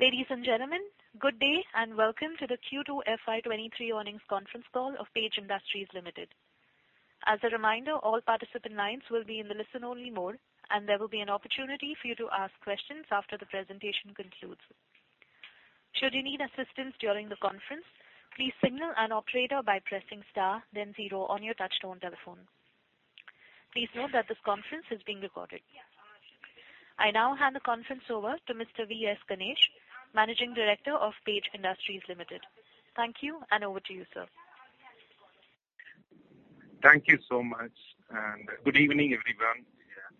Ladies and gentlemen, good day, and welcome to the Q2 FY23 earnings conference call of Page Industries Limited. As a reminder, all participant lines will be in the listen-only mode, and there will be an opportunity for you to ask questions after the presentation concludes. Should you need assistance during the conference, please signal an operator by pressing star then zero on your touchtone telephone. Please note that this conference is being recorded. I now hand the conference over to Mr. V.S. Ganesh, Managing Director of Page Industries Limited. Thank you, and over to you, sir. Thank you so much, and good evening, everyone.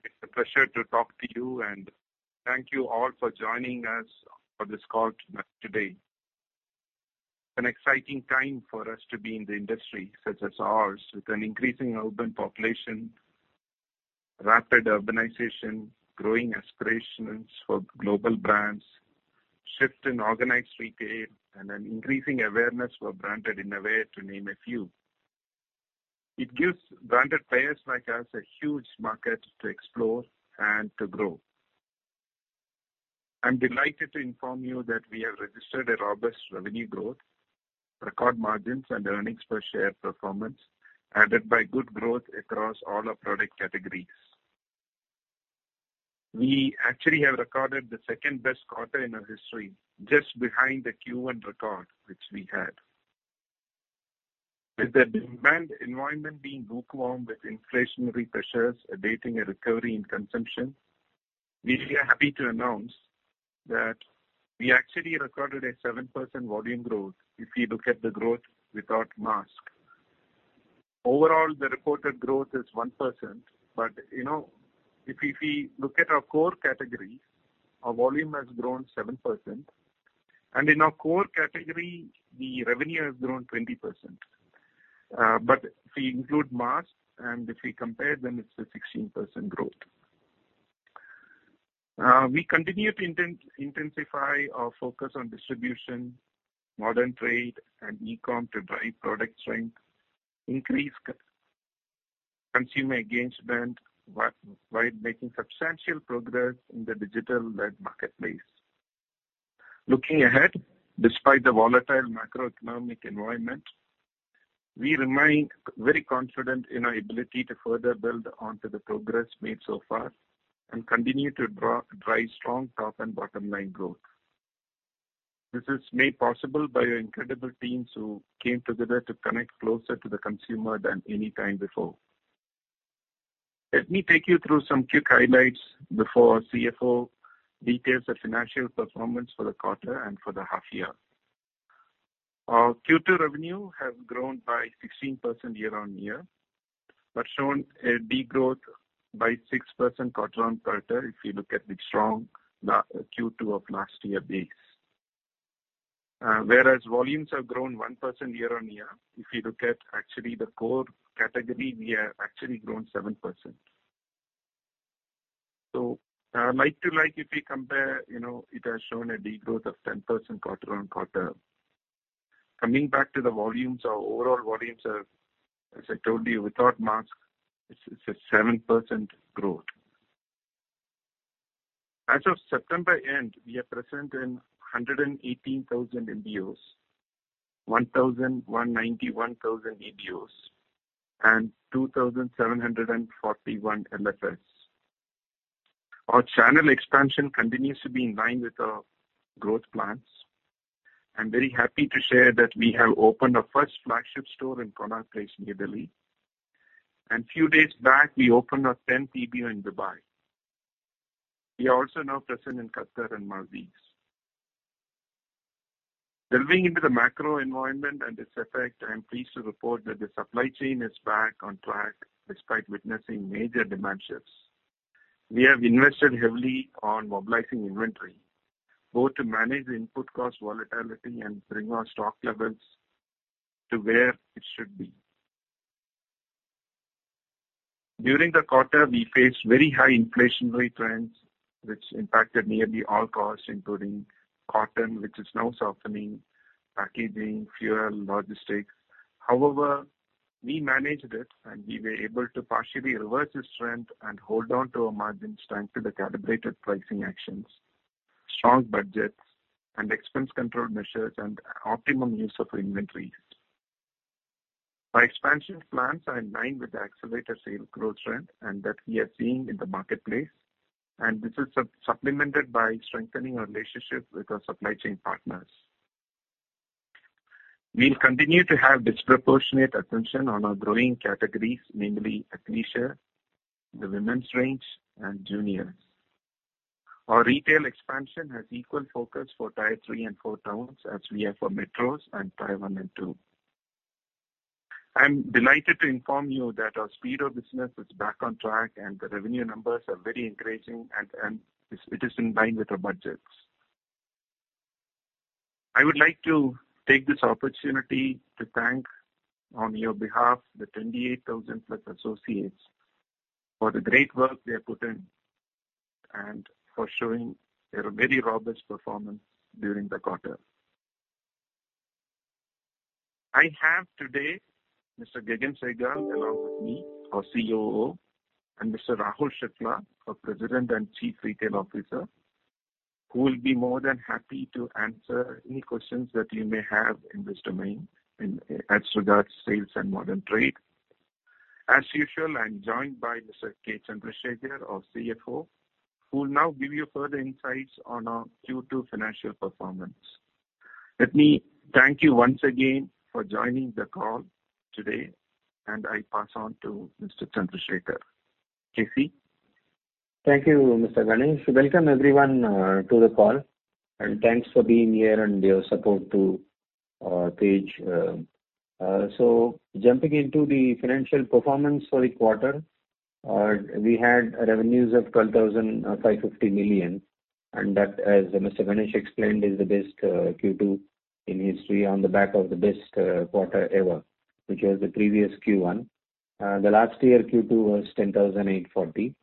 It's a pleasure to talk to you, and thank you all for joining us for this call today. It's an exciting time for us to be in the industry such as ours, with an increasing urban population, rapid urbanization, growing aspirations for global brands, shift in organized retail, and an increasing awareness for branded innovative to name a few. It gives branded players like us a huge market to explore and to grow. I'm delighted to inform you that we have registered a robust revenue growth, record margins, and earnings per share performance, added by good growth across all our product categories. We actually have recorded the second-best quarter in our history, just behind the Q1 record which we had. With the demand environment being lukewarm, with inflationary pressures abating a recovery in consumption, we are happy to announce that we actually recorded a 7% volume growth if you look at the growth without mask. Overall, the reported growth is 1%, but, you know, if we look at our core category, our volume has grown 7%. In our core category, the revenue has grown 20%. But if we include mask and if we compare, then it's a 16% growth. We continue to intensify our focus on distribution, modern trade and e-com to drive product strength, increase consumer engagement, while making substantial progress in the digital-led marketplace. Looking ahead, despite the volatile macroeconomic environment, we remain very confident in our ability to further build onto the progress made so far and continue to drive strong top and bottom line growth. This is made possible by our incredible teams who came together to connect closer to the consumer than any time before. Let me take you through some quick highlights before our CFO details the financial performance for the quarter and for the half year. Our Q2 revenue has grown by 16% year-on-year, but shown a degrowth by 6% quarter-on-quarter if you look at the strong Q2 of last year base. Whereas volumes have grown 1% year-on-year, if you look at actually the core category, we have actually grown 7%. Like to like, if we compare, you know, it has shown a degrowth of 10% quarter-on-quarter. Coming back to the volumes, our overall volumes are, as I told you, without mask, it's a 7% growth. As of September end, we are present in 118,000 MBOs, 1,191 EBOs, and 2,741 LFS. Our channel expansion continues to be in line with our growth plans. I'm very happy to share that we have opened our first flagship store in Connaught Place, New Delhi. Few days back we opened our tenth EBO in Dubai. We are also now present in Qatar and Maldives. Delving into the macro environment and its effect, I am pleased to report that the supply chain is back on track despite witnessing major demand shifts. We have invested heavily on mobilizing inventory, both to manage the input cost volatility and bring our stock levels to where it should be. During the quarter, we faced very high inflationary trends, which impacted nearly all costs, including cotton, which is now softening, packaging, fuel, logistics. However, we managed it, and we were able to partially reverse this trend and hold on to our margin strength with the calibrated pricing actions, strong budgets and expense control measures and optimum use of inventories. Our expansion plans are in line with the accelerated sales growth trend, and that we are seeing in the marketplace, and this is supplemented by strengthening our relationships with our supply chain partners. We'll continue to have disproportionate attention on our growing categories, namely athleisure, the women's range and juniors. Our retail expansion has equal focus for tier three and four towns as we have for metros and tier one and two. I'm delighted to inform you that our Speedo business is back on track, and the revenue numbers are very encouraging, and it is in line with our budgets. I would like to take this opportunity to thank on your behalf the 28,000+ associates for the great work they have put in and for showing a very robust performance during the quarter. I have today Mr. Gagan Sehgal along with me, our COO, and Mr. Rahul Shukla, our President and Chief Retail Officer, who will be more than happy to answer any questions that you may have in this domain, as regards sales and modern trade. As usual, I'm joined by Mr. K. Chandrasekar, our CFO, who will now give you further insights on our Q2 financial performance. Let me thank you once again for joining the call today, and I pass on to Mr. Chandrasekar. KC? Thank you, Mr. Ganesh. Welcome everyone to the call, and thanks for being here and your support to Page. Jumping into the financial performance for the quarter, we had revenues of 12,550 million, and that, as Mr. Ganesh explained, is the best Q2 in history on the back of the best quarter ever, which was the previous Q1. The last year Q2 was 10,840.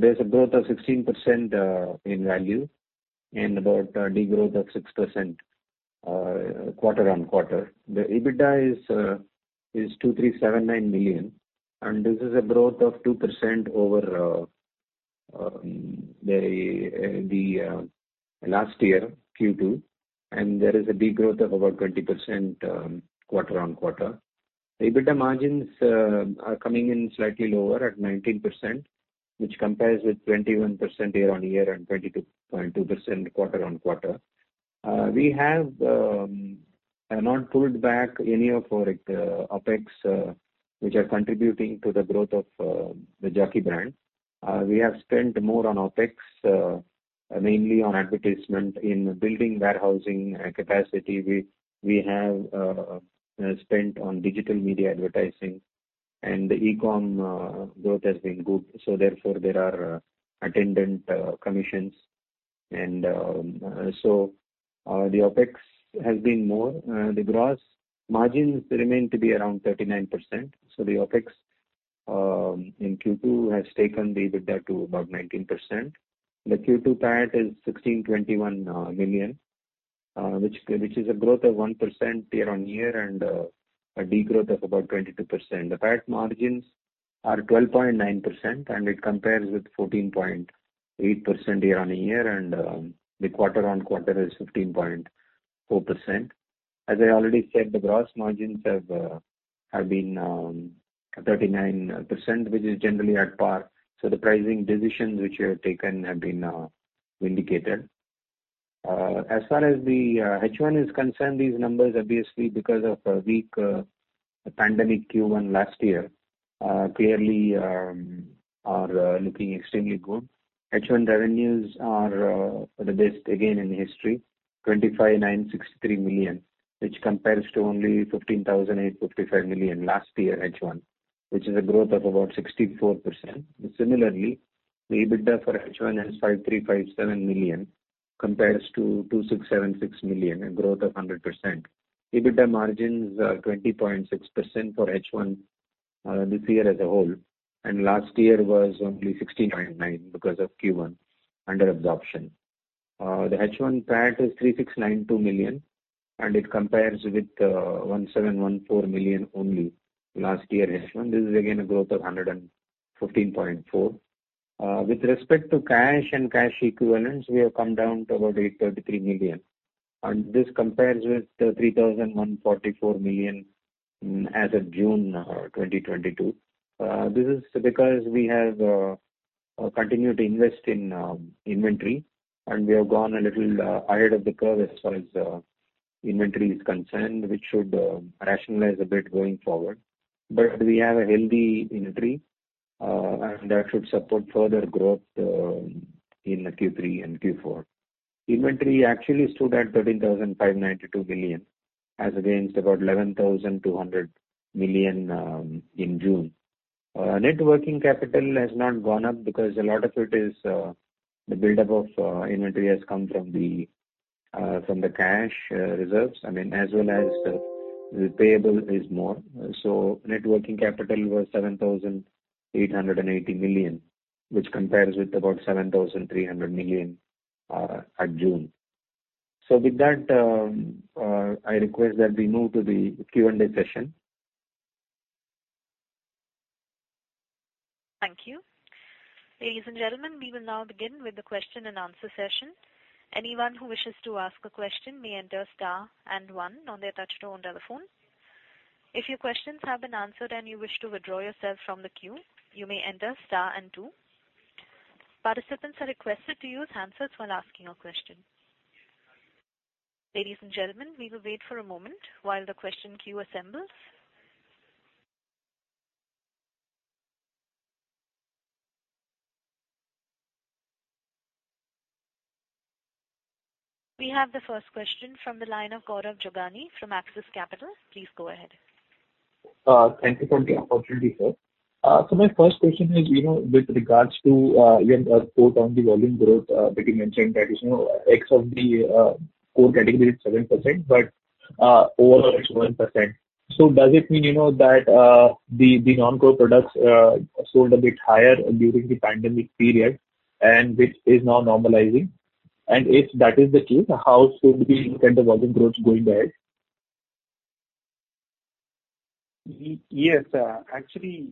There's a growth of 16% in value and about a degrowth of 6% quarter-on-quarter. The EBITDA is 2,379 million, and this is a growth of 2% over the last year Q2, and there is a degrowth of about 20% quarter-on-quarter. The EBITDA margins are coming in slightly lower at 19%, which compares with 21% year-on-year and 22.2% quarter-on-quarter. We have not pulled back any of our OpEx, which are contributing to the growth of the Jockey brand. We have spent more on OpEx, mainly on advertising and building warehousing and capacity. We have spent on digital media advertising and the e-com growth has been good, so therefore there are attendant commissions. The OpEx has been more. The gross margins remain to be around 39%, so the OpEx in Q2 has taken the EBITDA to about 19%. The Q2 PAT is 1,621 million, which is a growth of 1% year-on-year and a degrowth of about 22%. The PAT margins are 12.9%, and it compares with 14.8% year-on-year and the quarter-on-quarter is 15.4%. As I already said, the gross margins have been 39%, which is generally at par, so the pricing decisions which we have taken have been vindicated. As far as the H1 is concerned, these numbers obviously, because of a weak pandemic Q1 last year, clearly are looking extremely good. H1 revenues are the best again in history, 25,963 million, which compares to only 15,855 million last year H1, which is a growth of about 64%. Similarly, the EBITDA for H1 is 5,357 million, compares to 2,676 million, a growth of 100%. EBITDA margins are 20.6% for H1 this year as a whole, and last year was only 16.9% because of Q1 under absorption. The H1 PAT is 3,692 million, and it compares with 1,714 million only last year H1. This is again a growth of 115.4%. With respect to cash and cash equivalents, we have come down to about 833 million, and this compares with 3,144 million as of June 2022. This is because we have continued to invest in inventory, and we have gone a little ahead of the curve as far as inventory is concerned, which should rationalize a bit going forward. We have a healthy inventory, and that should support further growth in Q3 and Q4. Inventory actually stood at 13,592 million as against about 11,200 million in June. Net working capital has not gone up because a lot of it is the buildup of inventory has come from the cash reserves, I mean, as well as the payables are more. Net working capital was 7,880 million, which compares with about 7,300 million at June. With that, I request that we move to the Q&A session. Thank you. Ladies and gentlemen, we will now begin with the question-and-answer session. Anyone who wishes to ask a question may enter star and one on their touchtone telephone. If your questions have been answered and you wish to withdraw yourself from the queue, you may enter star and two. Participants are requested to use handsets while asking a question. Ladies and gentlemen, we will wait for a moment while the question queue assembles. We have the first question from the line of Gaurav Jogani from Axis Capital. Please go ahead. Thank you for the opportunity, sir. My first question is, you know, with regards to your quote on the volume growth that you mentioned that is, you know, ex of the core category is 7%, but overall it's 1%. Does it mean, you know, that the non-core products sold a bit higher during the pandemic period, and which is now normalizing? If that is the case, how should we look at the volume growth going ahead? Yes. Actually,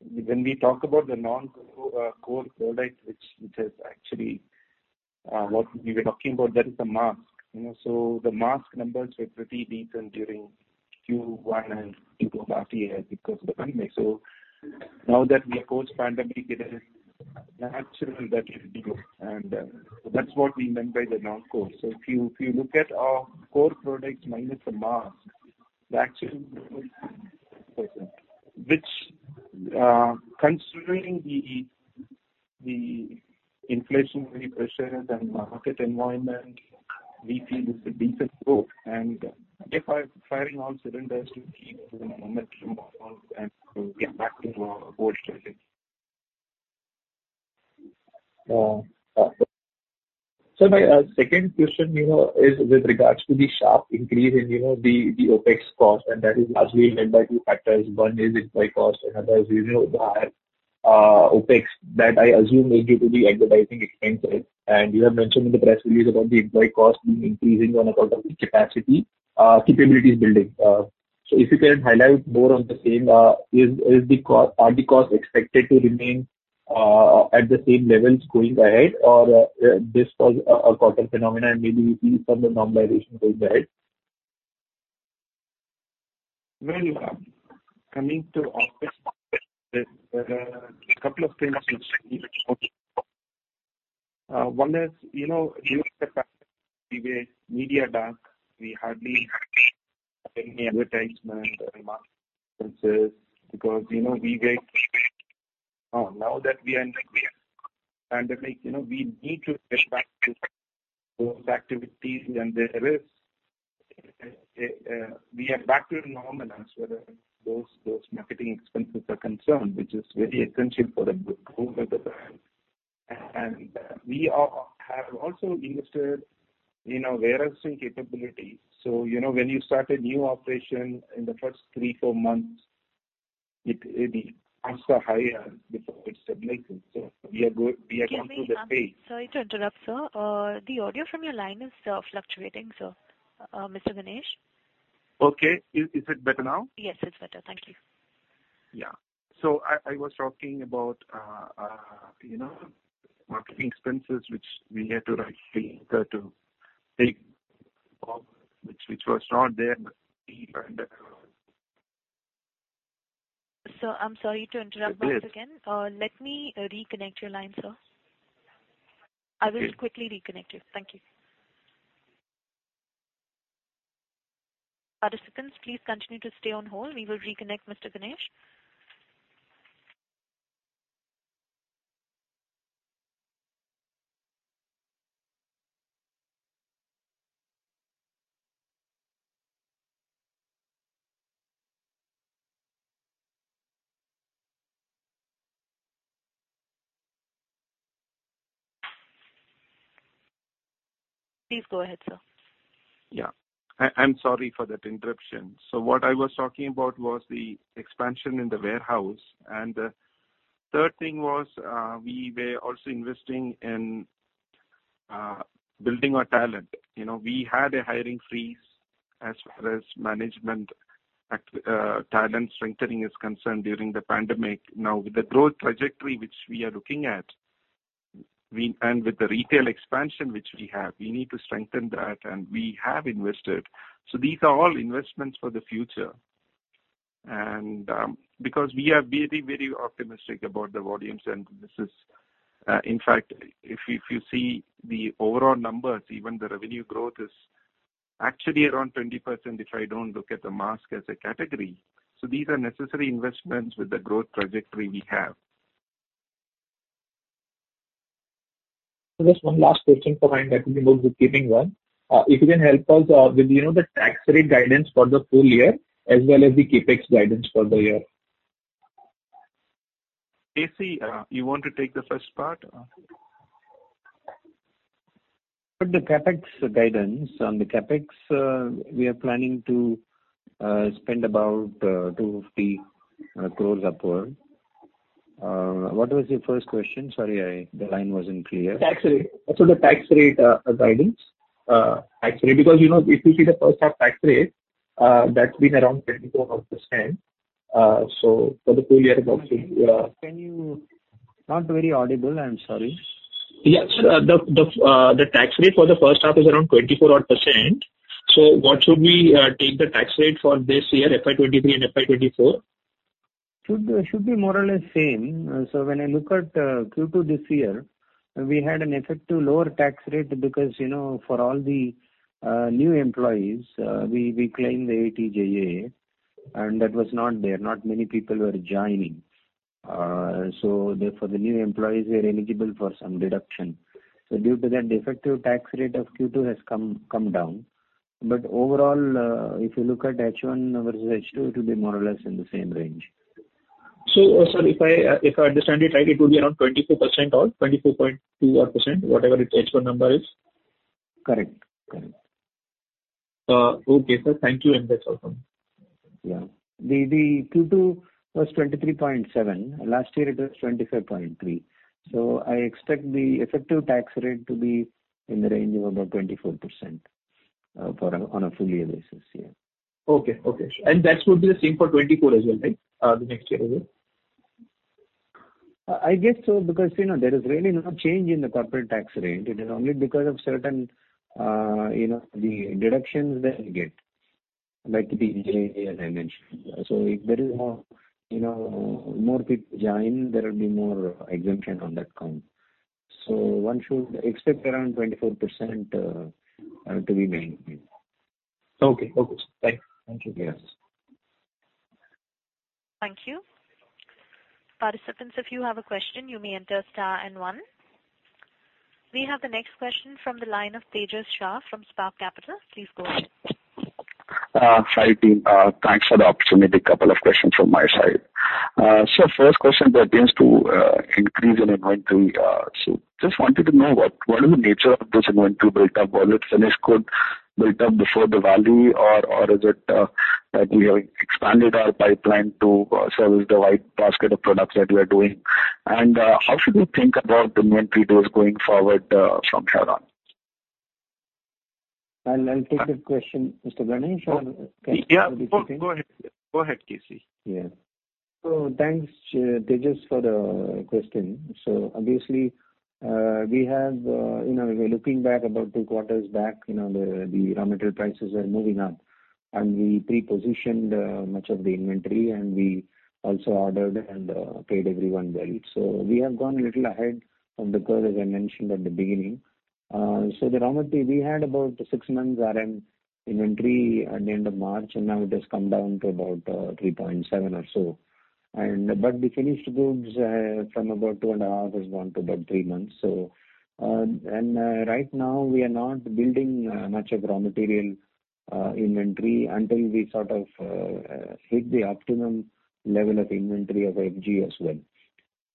when we talk about the non-core core products, which is actually what we were talking about, that is the mask. You know, the mask numbers were pretty decent during Q1 and Q2 of last year because of the pandemic. Now that we are post-pandemic, it is natural that it will be low. That's what we meant by the non-core. If you look at our core products minus the mask, the actual, which, considering the inflationary pressure and market environment, we feel it's a decent growth. We're firing on all cylinders to gain momentum and to get back to our core strength. My second question, you know, is with regards to the sharp increase in, you know, the OpEx cost, and that is largely led by two factors. One is employee cost, another is, you know, the high OpEx that I assume is due to the advertising expenses. You have mentioned in the press release about the employee cost being increasing on account of the capacity capabilities building. If you can highlight more on the same, are the costs expected to remain at the same levels going ahead? Or this was a quarter phenomenon, and maybe we see some normalization going ahead. Well, coming to OpEx, there's a couple of things. One is, you know, during the pandemic we were media dark. We hardly had any advertisement or marketing expenses because, you know, we were. Now that we are in the pandemic, you know, we need to get back to those activities. There is a, we are back to normal as far as those marketing expenses are concerned, which is very essential for the growth of the brand. We have also invested in our warehousing capability. You know, when you start a new operation, in the first 3-4 months, its costs are higher before it stabilizes. We are going through that phase. Sorry to interrupt, sir. The audio from your line is fluctuating, sir. Mr. Ganesh? Okay. Is it better now? Yes, it's better. Thank you. Yeah. I was talking about, you know, marketing expenses, which we had to rightly incur to take off, which was not there in the. Sir, I'm sorry to interrupt once again. Please. Let me reconnect your line, sir. Okay. I will quickly reconnect you. Thank you. Participants, please continue to stay on hold. We will reconnect Mr. V.S. Ganesh. Please go ahead, sir. Yeah. I'm sorry for that interruption. What I was talking about was the expansion in the warehouse. The third thing was, we were also investing in building our talent. You know, we had a hiring freeze as far as talent strengthening is concerned during the pandemic. Now, with the growth trajectory which we are looking at, and with the retail expansion which we have, we need to strengthen that, and we have invested. These are all investments for the future. Because we are very, very optimistic about the volumes, and this is, in fact, if you see the overall numbers, even the revenue growth is actually around 20%, if I don't look at the mask as a category. These are necessary investments with the growth trajectory we have. Just one last question from my end. That will be more bookkeeping one. If you can help us with, you know, the tax rate guidance for the full year as well as the CapEx guidance for the year. KC, you want to take the first part? For the CapEx guidance, on the CapEx, we are planning to spend about 250 crores upward. What was your first question? Sorry. The line wasn't clear. Tax rate. The tax rate guidance. Because, you know, if you see the first half tax rate, that's been around 24%. For the full year Not very audible. I'm sorry. The tax rate for the first half is around 24 odd %. What should we take the tax rate for this year, FY 2023 and FY 2024? Should be more or less same. When I look at Q2 this year, we had an effective lower tax rate because, you know, for all the new employees, we claimed the 80JJAA, and that was not there. Not many people were joining. Therefore the new employees were eligible for some deduction. Due to that, the effective tax rate of Q2 has come down. Overall, if you look at H1 versus H2, it will be more or less in the same range. sir, if I understand it right, it will be around 22% or 22.2 odd%, whatever its H1 number is? Correct. Correct. Okay, sir. Thank you. That's all from me. The Q2 was 23.7%. Last year it was 25.3%. I expect the effective tax rate to be in the range of about 24%, on a full year basis. Okay. That would be the same for 2024 as well, right? The next year as well. I guess so, because, you know, there is really no change in the corporate tax rate. It is only because of certain, you know, the deductions that we get. If there is more, you know, more people join, there will be more exemption on that count. One should expect around 24% to be maintained, yeah. Okay. Thank you. Yes. Thank you. Participants, if you have a question, you may enter star and one. We have the next question from the line of Tejash Shah from Spark Capital. Please go ahead. Hi, team. Thanks for the opportunity. A couple of questions from my side. First question pertains to increase in inventory. Just wanted to know what is the nature of this inventory built up? Well, it's finished goods built up before the value or is it that we have expanded our pipeline to service the wide basket of products that we are doing? How should we think about the inventory days going forward from here on? I'll take that question, Mr. V.S. Ganesh. Or can Yeah. Go ahead, KC. Yeah. Thanks, Tejash, for the question. Obviously, we have, you know, we're looking back about two quarters back, you know, the raw material prices were moving up and we pre-positioned much of the inventory and we also ordered and paid everyone well. We have gone a little ahead of the curve, as I mentioned at the beginning. The raw material we had about six months RM inventory at the end of March, and now it has come down to about 3.7 or so. But the finished goods from about 2.5 has gone to about three months. Right now we are not building much of raw material inventory until we sort of hit the optimum level of inventory of FG as well.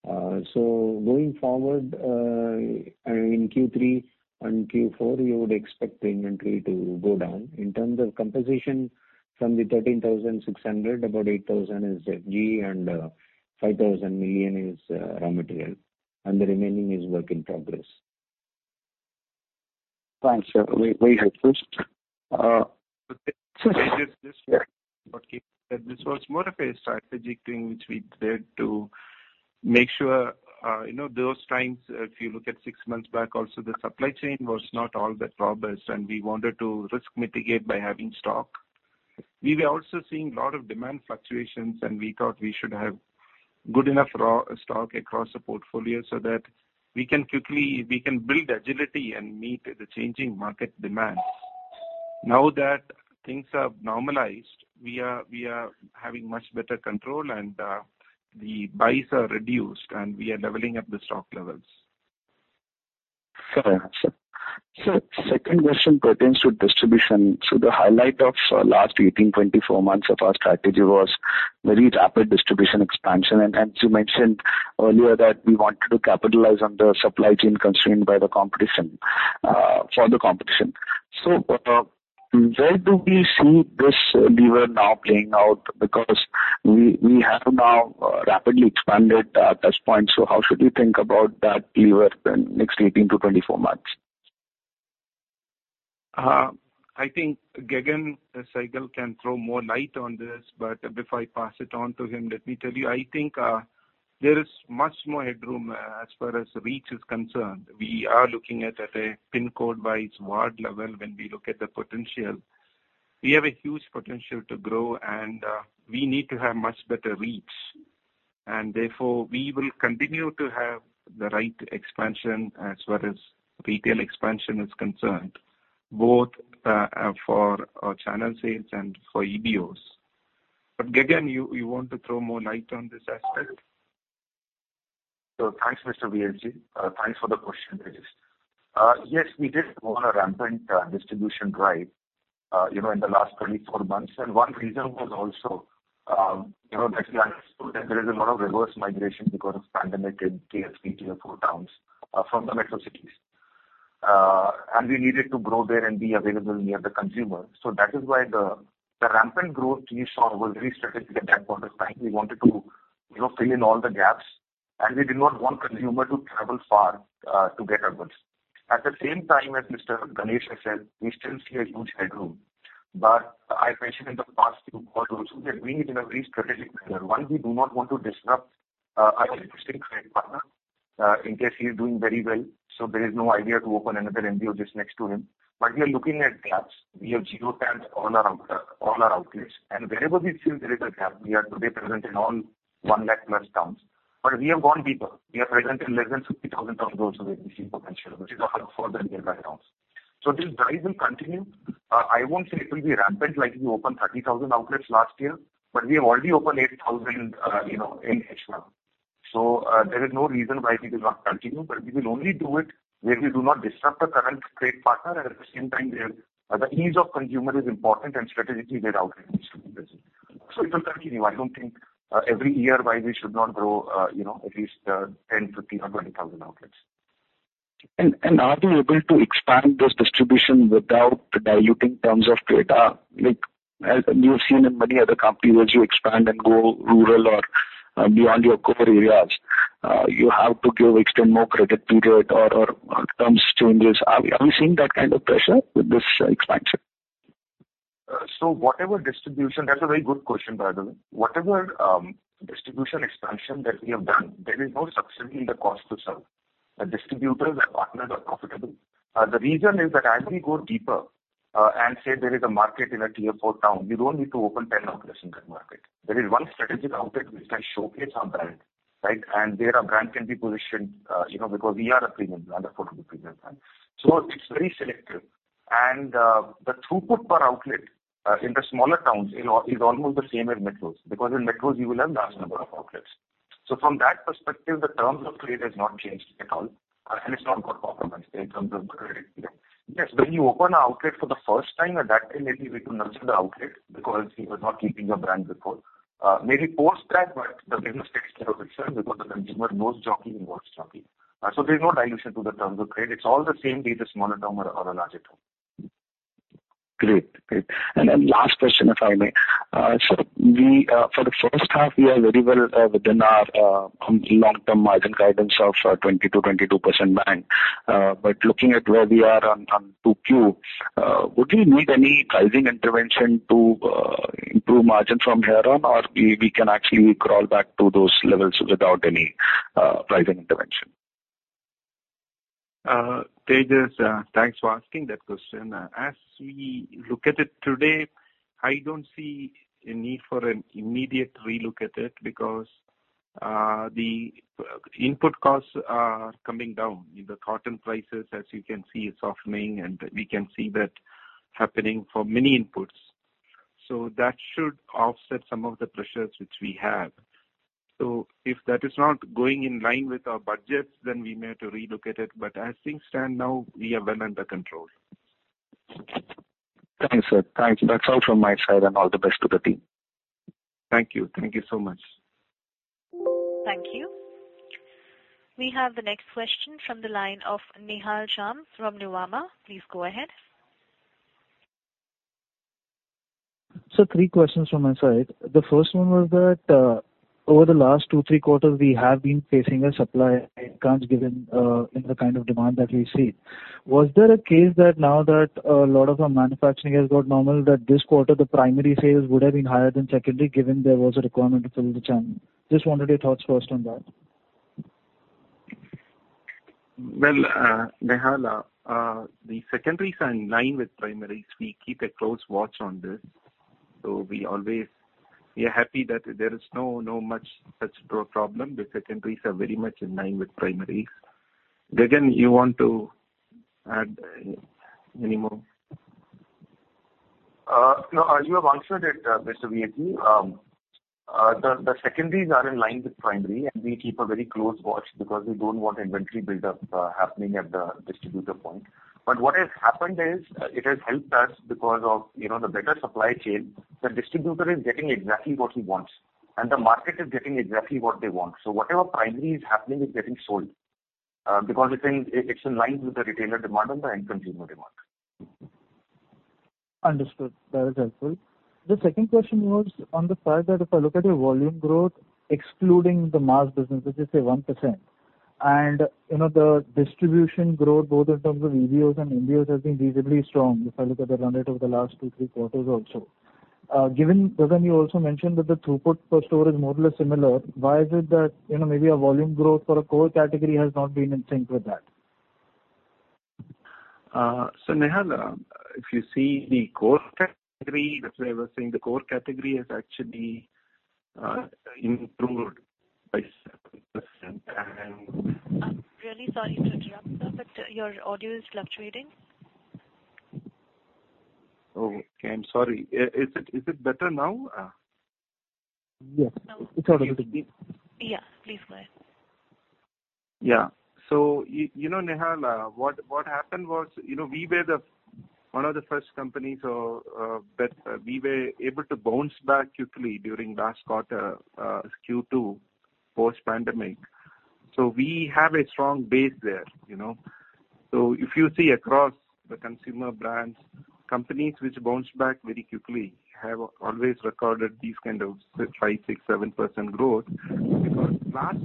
Going forward, in Q3 and Q4, you would expect the inventory to go down. In terms of composition from the 13,600 million, about 8,000 million is FG and 5,000 million is raw material, and the remaining is work in progress. Thanks. Very helpful. Tejash, just- Yeah. This was more of a strategic thing which we did to make sure, you know, those times, if you look at six months back also, the supply chain was not all that robust and we wanted to risk mitigate by having stock. We were also seeing a lot of demand fluctuations and we thought we should have good enough raw stock across the portfolio so that we can build agility and meet the changing market demands. Now that things are normalized, we are having much better control and the buys are reduced and we are leveling up the stock levels. Fair answer. Second question pertains to distribution. The highlight of last 18-24 months of our strategy was very rapid distribution expansion. You mentioned earlier that we wanted to capitalize on the supply chain constraints by the competition. Where do we see this lever now playing out? Because we have now rapidly expanded our touch point, so how should we think about that lever in the next 18-24 months? I think Gagan Sehgal can throw more light on this, but before I pass it on to him, let me tell you, I think, there is much more headroom as far as reach is concerned. We are looking at a pin code wise ward level when we look at the potential. We have a huge potential to grow and, we need to have much better reach. Therefore, we will continue to have the right expansion as far as retail expansion is concerned, both for our channel sales and for EBOs. Gagan you want to throw more light on this aspect? Thanks, Mr. V.S. Ganesh. Thanks for the question, Tejash. Yes, we did go on a rampant distribution drive, you know, in the last 24 months. One reason was also, you know, as Ganesh put it, there is a lot of reverse migration because of pandemic in tier three, tier four towns, from the metro cities. We needed to grow there and be available near the consumer. That is why the rampant growth we saw was very strategic at that point of time. We wanted to, you know, fill in all the gaps, and we did not want consumer to travel far to get our goods. At the same time, as Mr. Ganesh has said, we still see a huge headroom. I mentioned in the past few calls also that we need in a very strategic manner. One, we do not want to disrupt our existing trade partner in case he is doing very well. There is no idea to open another MBO just next to him. We are looking at gaps. We have geo tags on our outlets. Wherever we feel there is a gap, we are today present in all 1 lakh plus towns. We have gone deeper. We are present in less than 50,000 towns also where we see potential, which is a lot further than that now. This drive will continue. I won't say it will be rampant like we opened 30,000 outlets last year, but we have already opened 8,000, you know, in H1. There is no reason why we will not continue, but we will only do it where we do not disrupt the current trade partner. At the same time, the ease of consumer is important and strategically we are outright in distribution. It will continue. I don't think every year why we should not grow, you know, at least 10-15 hundred thousand outlets. Are you able to expand this distribution without diluting terms of trade? Like as we have seen in many other companies, as you expand and go rural or beyond your core areas, you have to give or extend more credit period or terms changes. Are we seeing that kind of pressure with this expansion? That's a very good question, by the way. Whatever distribution expansion that we have done, there is no subsidy in the cost to serve. The distributors and partners are profitable. The reason is that as we go deeper and say there is a market in a tier four town, we don't need to open 10 outlets in that market. There is one strategic outlet which can showcase our brand, right? There our brand can be positioned, you know, because we are a premium brand, affordable premium brand. It's very selective. The throughput per outlet in the smaller towns in all is almost the same as metros, because in metros you will have large number of outlets. From that perspective, the terms of trade has not changed at all, and it's not got compromised in terms of credit period. Yes, when you open an outlet for the first time, at that time maybe we could nurture the outlet because we were not keeping a brand before. Maybe post that, but the business takes care of itself because the consumer knows Jockey and wants Jockey. There's no dilution to the terms of trade. It's all the same, be it a smaller town or a larger town. Great. Last question, if I may. So, for the first half, we are very well within our long-term margin guidance of 20%-22% bang. But looking at where we are on 2Q, would we need any pricing intervention to improve margin from here on, or we can actually crawl back to those levels without any pricing intervention? Tejash, thanks for asking that question. As we look at it today, I don't see a need for an immediate relook at it because the input costs are coming down. The cotton prices, as you can see, is softening, and we can see that happening for many inputs. That should offset some of the pressures which we have. If that is not going in line with our budgets, then we may have to relook at it. But as things stand now, we are well under control. Thanks, sir. Thanks. That's all from my side, and all the best to the team. Thank you. Thank you so much. Thank you. We have the next question from the line of Nihal Jham from Nuvama. Please go ahead. Sir, three questions from my side. The first one was that, over the last two, three quarters we have been facing a supply crunch given, in the kind of demand that we've seen. Was there a case that now that a lot of our manufacturing has got normal, that this quarter the primary sales would have been higher than secondary, given there was a requirement to fill the channel? Just wanted your thoughts first on that. Nihal, the secondaries are in line with primaries. We keep a close watch on this. We are happy that there is no such problem. The secondaries are very much in line with primaries. Gagan, you want to add any more? No. You have answered it, Mr. V.S. Ganesh. The secondaries are in line with primary, and we keep a very close watch because we don't want inventory buildup happening at the distributor point. What has happened is, it has helped us because of, you know, the better supply chain. The distributor is getting exactly what he wants, and the market is getting exactly what they want. Whatever primary is happening is getting sold, because it's in line with the retailer demand and the end consumer demand. Understood. That is helpful. The second question was on the fact that if I look at your volume growth, excluding the mask business, which is, say, 1%, and, you know, the distribution growth both in terms of EBOs and MBOs has been reasonably strong, if I look at the run rate over the last two, three quarters also. Given Gagan, you also mentioned that the throughput per store is more or less similar. Why is it that, you know, maybe a volume growth for a core category has not been in sync with that? Nihal, if you see the core category, that's why I was saying the core category has actually improved by 7% and- I'm really sorry to interrupt, sir, but your audio is fluctuating. Okay. I'm sorry. Is it better now? Yes. It's audible to me. Yeah. Please go ahead. Yeah. You know, Nihal, what happened was, you know, we were one of the first companies that we were able to bounce back quickly during last quarter, Q2, post pandemic. We have a strong base there, you know. If you see across the consumer brands, companies which bounced back very quickly have always recorded these kind of, say, 5, 6, 7% growth. Because last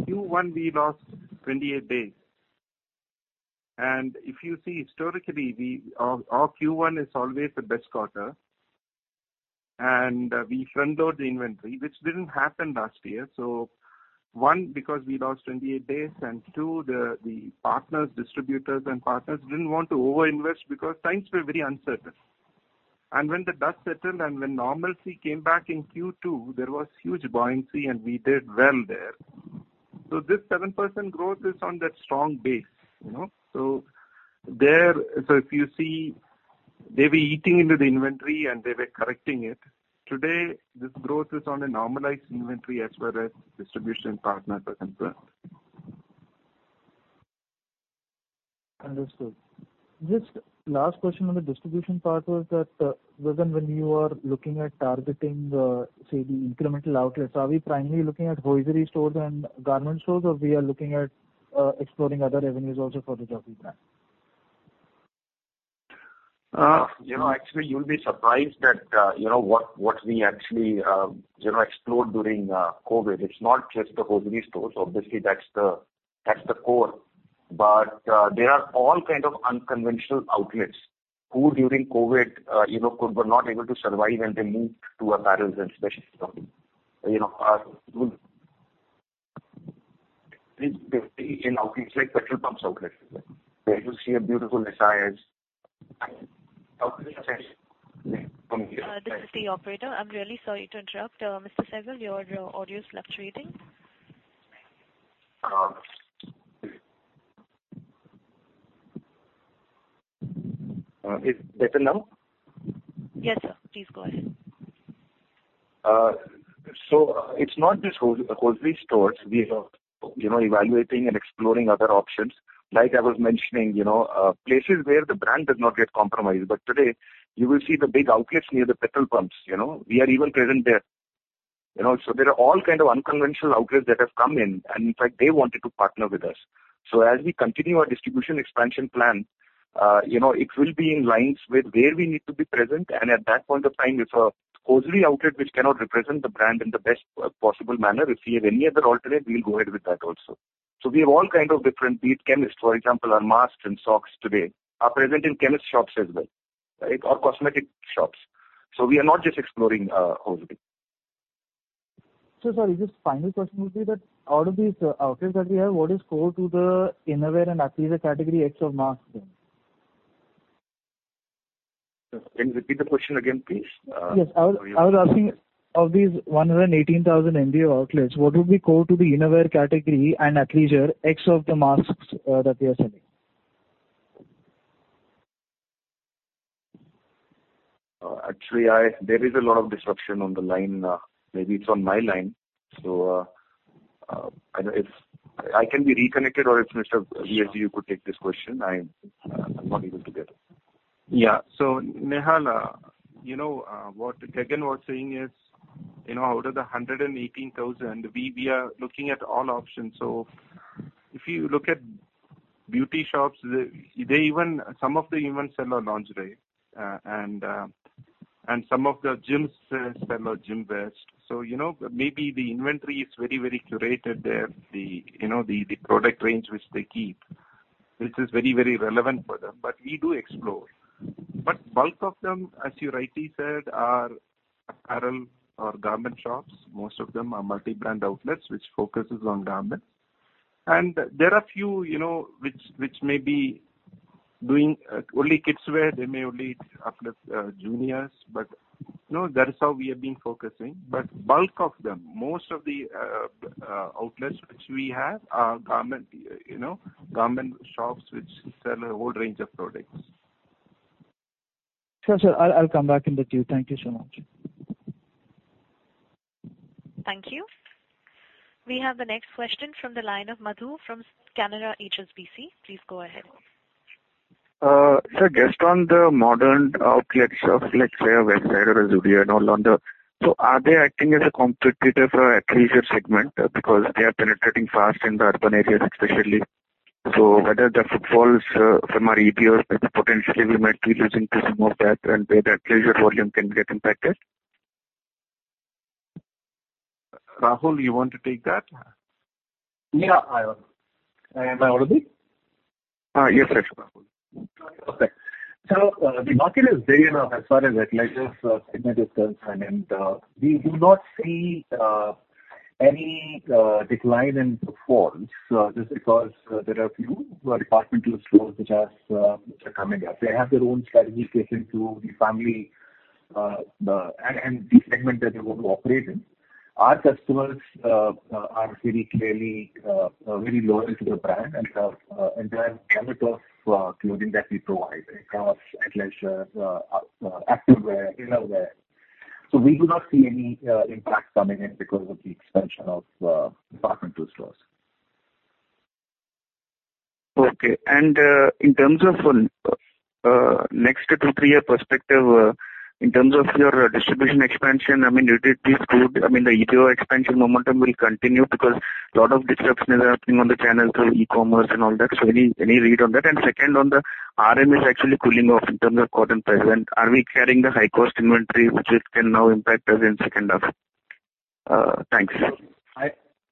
Q1 we lost 28 days. If you see historically, our Q1 is always the best quarter. We front-load the inventory, which didn't happen last year. One, because we lost 28 days, and two, the partners, distributors and partners didn't want to over-invest because times were very uncertain. When the dust settled and when normalcy came back in Q2, there was huge buoyancy, and we did well there. This 7% growth is on that strong base, you know? If you see, they were eating into the inventory, and they were correcting it. Today, this growth is on a normalized inventory as far as distribution partners are concerned. Understood. Just last question on the distribution part was that, when you are looking at targeting the, say, the incremental outlets, are we primarily looking at hosiery stores and garment stores, or we are looking at exploring other avenues also for the Jockey brand? You know, actually you'll be surprised that, you know, what we actually, you know, explored during COVID. It's not just the hosiery stores. Obviously, that's the core. There are all kind of unconventional outlets who during COVID, you know, were not able to survive and they moved to apparels and specialty store, you know, like petrol pumps outlet, where you see a beautiful Nisai's. This is the operator. I'm really sorry to interrupt. Mr. Sehgal, your audio is fluctuating. It's better now? Yes, sir. Please go ahead. It's not just hosiery stores. We are, you know, evaluating and exploring other options. Like I was mentioning, you know, places where the brand does not get compromised. Today you will see the big outlets near the petrol pumps, you know. We are even present there, you know. There are all kind of unconventional outlets that have come in, and in fact, they wanted to partner with us. As we continue our distribution expansion plan, you know, it will be in line with where we need to be present. At that point of time, if a hosiery outlet which cannot represent the brand in the best possible manner, if we have any other alternative, we'll go ahead with that also. We have all kind of different. Be it chemist, for example, our masks and socks today are present in chemist shops as well, right? Or cosmetic shops. We are not just exploring hosiery. Sorry, just final question would be that out of these outlets that we have, what is core to the innerwear and athleisure category ex of masks then? Can you repeat the question again, please? Yes. I was asking, of these 118,000 MBO outlets, what would be core to the innerwear category and athleisure excluding the masks that we are selling? Actually, there is a lot of disruption on the line. Maybe it's on my line. I know if I can be reconnected or if Mr. V.S. Ganesh you could take this question. I'm not able to get it. Yeah. Nihal, you know, what Gagan was saying is, you know, out of the 118,000, we are looking at all options. If you look at beauty shops, they even—some of them even sell our lingerie. And some of the gyms sell our gym wears. You know, maybe the inventory is very curated there. The product range which they keep, which is very relevant for them. We do explore. Bulk of them, as you rightly said, are apparel or garment shops. Most of them are multi-brand outlets which focuses on garments. There are few, you know, which may be doing only kids wear. They may only uplift juniors. You know, that is how we have been focusing. Bulk of them, most of the outlets which we have are, you know, garment shops which sell a whole range of products. Sure, sir. I'll come back in the queue. Thank you so much. Thank you. We have the next question from the line of Madhu from Canara HSBC. Please go ahead. Just on the modern outlets of let's say a Westside or a Zudio and all on the. Are they acting as a competitor for athleisure segment? Because they are penetrating fast in the urban areas especially. Whether the footfalls from our EBO potentially we might be losing to some of that and where the athleisure volume can get impacted. Rahul, you want to take that? Yeah, I will. Am I audible? Yes, Rahul. Okay. The market is big enough as far as athleisure segment is concerned, and we do not see any decline in performance just because there are few departmental stores which are coming up. They have their own strategy catering to the family and the segment that they want to operate in. Our customers are very clearly very loyal to the brand and the entire gamut of clothing that we provide, across athleisure, activewear, innerwear. We do not see any impact coming in because of the expansion of departmental stores. Okay. In terms of next 2-3-year perspective, in terms of your distribution expansion, I mean, it is good. I mean, the EBO expansion momentum will continue because lot of disruption is happening on the channels through e-commerce and all that. So any read on that? Second, on the RM is actually pulling off in terms of cotton price. And are we carrying the high cost inventory which it can now impact us in second half? Thanks.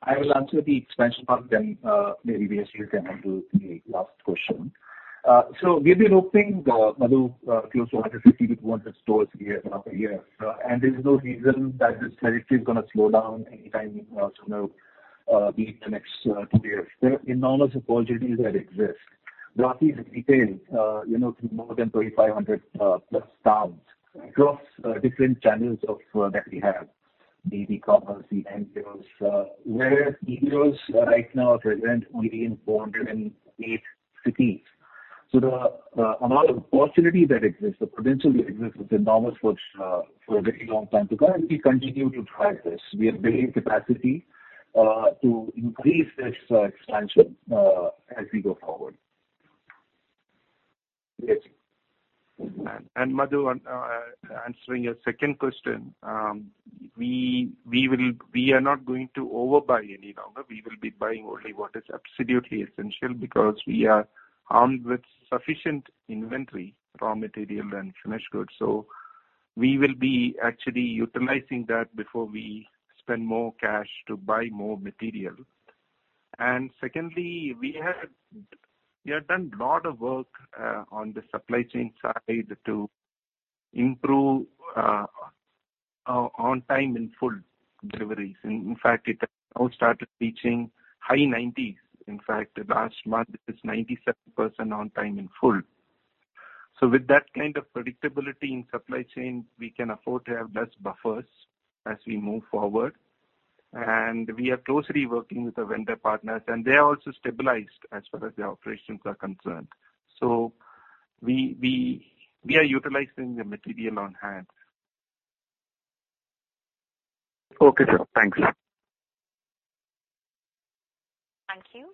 I will answer the expansion part, then maybe V.S. Ganesh you can handle the last question. We've been opening Madhu close to 150-200 stores year on year. There's no reason that this trajectory is gonna slow down anytime you know be it the next two years. There are enormous opportunities that exist across these retail you know through more than 2,500 plus towns across different channels of that we have, be it e-commerce, be it MBOs, where MBOs right now are present only in 408 cities. The amount of opportunity that exists, the potential that exists is enormous for a very long time to come, and we continue to drive this. We are building capacity. To increase this expansion as we go forward. Yes. Madhu, answering your second question, we will. We are not going to overbuy any longer. We will be buying only what is absolutely essential because we are armed with sufficient inventory, raw material and finished goods. We will be actually utilizing that before we spend more cash to buy more material. Secondly, we have done a lot of work on the supply chain side to improve on time in full deliveries. In fact, it has now started reaching high 90s. In fact, last month it was 97% on time in full. With that kind of predictability in supply chain, we can afford to have less buffers as we move forward. We are closely working with our vendor partners, and they are also stabilized as far as their operations are concerned. We are utilizing the material on hand. Okay, sir. Thanks. Thank you.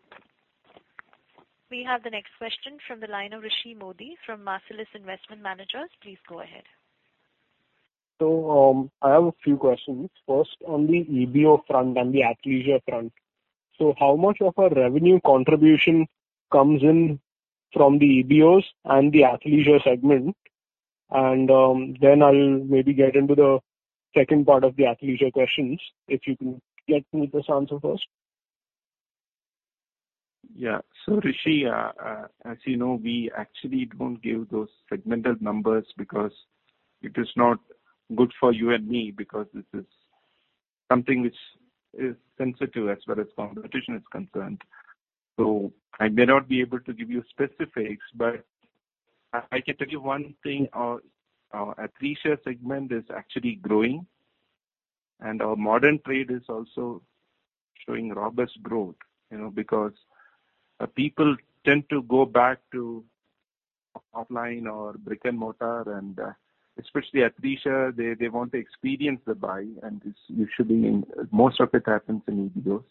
We have the next question from the line of Rishi Mody from Marcellus Investment Managers. Please go ahead. I have a few questions. First, on the EBO front and the athleisure front. How much of our revenue contribution comes in from the EBOs and the athleisure segment? Then I'll maybe get into the second part of the athleisure questions, if you can get me this answer first. Yeah. Rishi, as you know, we actually don't give those segmental numbers because it is not good for you and me, because this is something which is sensitive as far as competition is concerned. I may not be able to give you specifics, but I can tell you one thing. Our athleisure segment is actually growing, and our modern trade is also showing robust growth, you know, because people tend to go back to offline or brick and mortar and especially athleisure, they want to experience the buy. This usually, most of it happens in EBOs.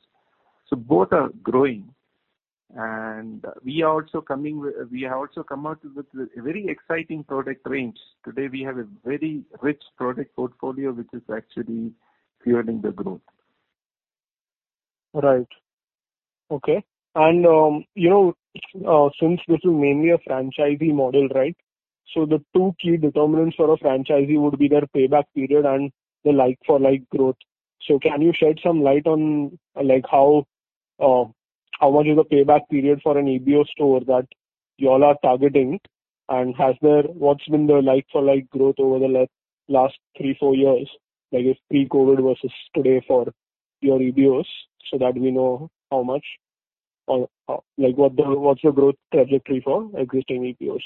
Both are growing. We have also come out with very exciting product range. Today we have a very rich product portfolio which is actually fueling the growth. Right. Okay. You know, since this is mainly a franchisee model, right? The two key determinants for a franchisee would be their payback period and the like for like growth. Can you shed some light on, like, how much is the payback period for an EBO store that you all are targeting? What's been the like for like growth over the last three, four years, like pre-COVID versus today for your EBOs so that we know how much or, like what the, what's the growth trajectory for existing EBOs?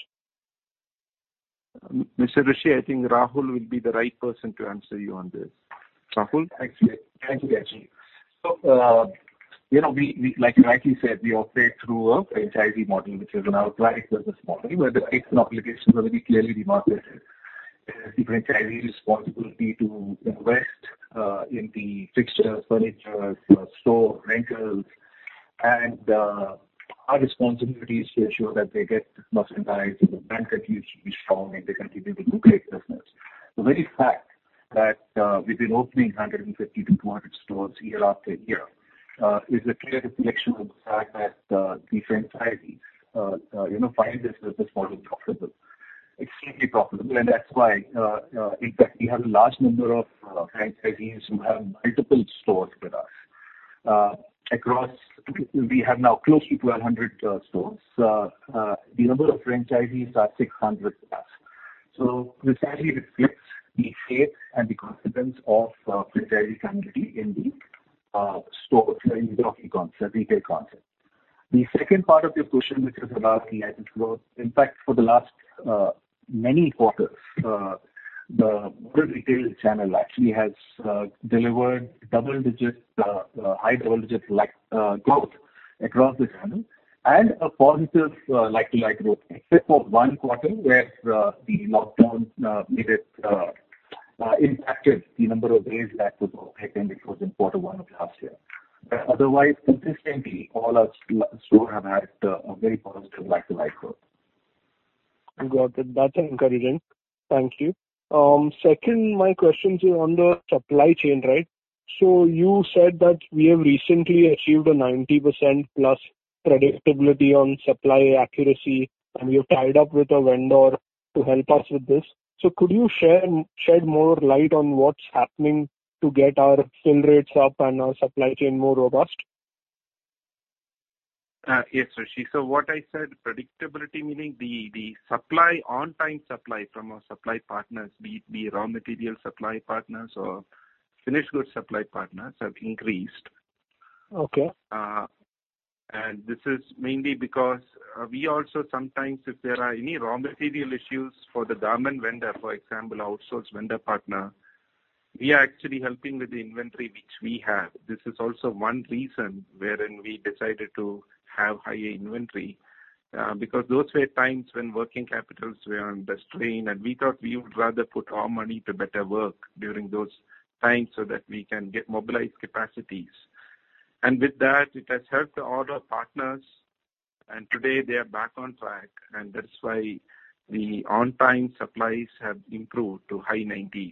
Mr. Rishi, I think Rahul will be the right person to answer you on this. Rahul? Actually, thank you, V.S. Ganesh. You know, we, like you rightly said, we operate through a franchisee model, which is an outright business model where the rights and obligations are very clearly demarcated. The franchisee's responsibility to invest in the fixtures, furniture, store rentals. Our responsibility is to ensure that they get merchandise and the brand continues to be strong and they continue to do great business. The very fact that we've been opening 150-200 stores year after year is a clear reflection of the fact that the franchisees, you know, find this business model profitable, extremely profitable. That's why, in fact, we have a large number of franchisees who have multiple stores with us. Across, we have now close to 1,200 stores. The number of franchisees are 600+. Precisely reflects the faith and the confidence of franchisee community in the store, in the walking concept, retail concept. The second part of your question, which is about the like for like growth. In fact, for the last many quarters, the modern retail channel actually has delivered double digits, high double digits like growth across the channel and a positive like to like growth except for one quarter where the lockdowns made it impacted the number of days that was open, which was in quarter one of last year. Otherwise, consistently, all our stores have had a very positive like to like growth. Got it. That's encouraging. Thank you. Second, my questions is on the supply chain, right. You said that we have recently achieved a 90%+ predictability on supply accuracy, and we have tied up with a vendor to help us with this. Could you shed more light on what's happening to get our fill rates up and our supply chain more robust? Yes, Rishi. What I said, predictability, meaning the supply, on-time supply from our supply partners, be it raw material supply partners or finished goods supply partners, have increased. Okay. This is mainly because we also sometimes, if there are any raw material issues for the garment vendor, for example, outsource vendor partner, we are actually helping with the inventory which we have. This is also one reason wherein we decided to have higher inventory because those were times when working capitals were under strain, and we thought we would rather put our money to better work during those times so that we can get mobilized capacities. With that, it has helped the order partners, and today they are back on track, and that's why the on-time supplies have improved to high 90s%.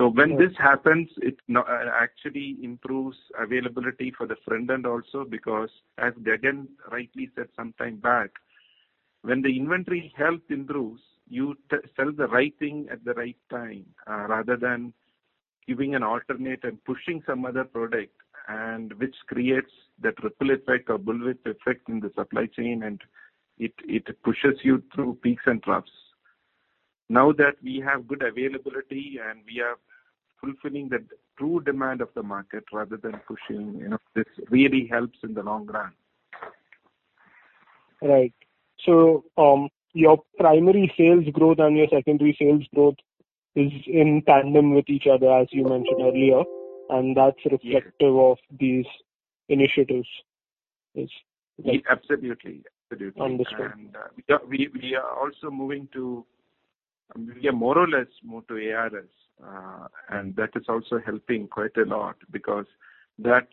When this happens, it no. Actually improves availability for the front end also, because as Gagan Sehgal rightly said sometime back, when the inventory health improves, you re-sell the right thing at the right time, rather than giving an alternate and pushing some other product, and which creates that ripple effect or bullwhip effect in the supply chain, and it pushes you through peaks and troughs. Now that we have good availability and we are fulfilling the true demand of the market rather than pushing, you know, this really helps in the long run. Right. Your primary sales growth and your secondary sales growth is in tandem with each other, as you mentioned earlier, and that's reflective of these initiatives. Yes. Absolutely. Absolutely. Understood. We are more or less moved to ARS, and that is also helping quite a lot because that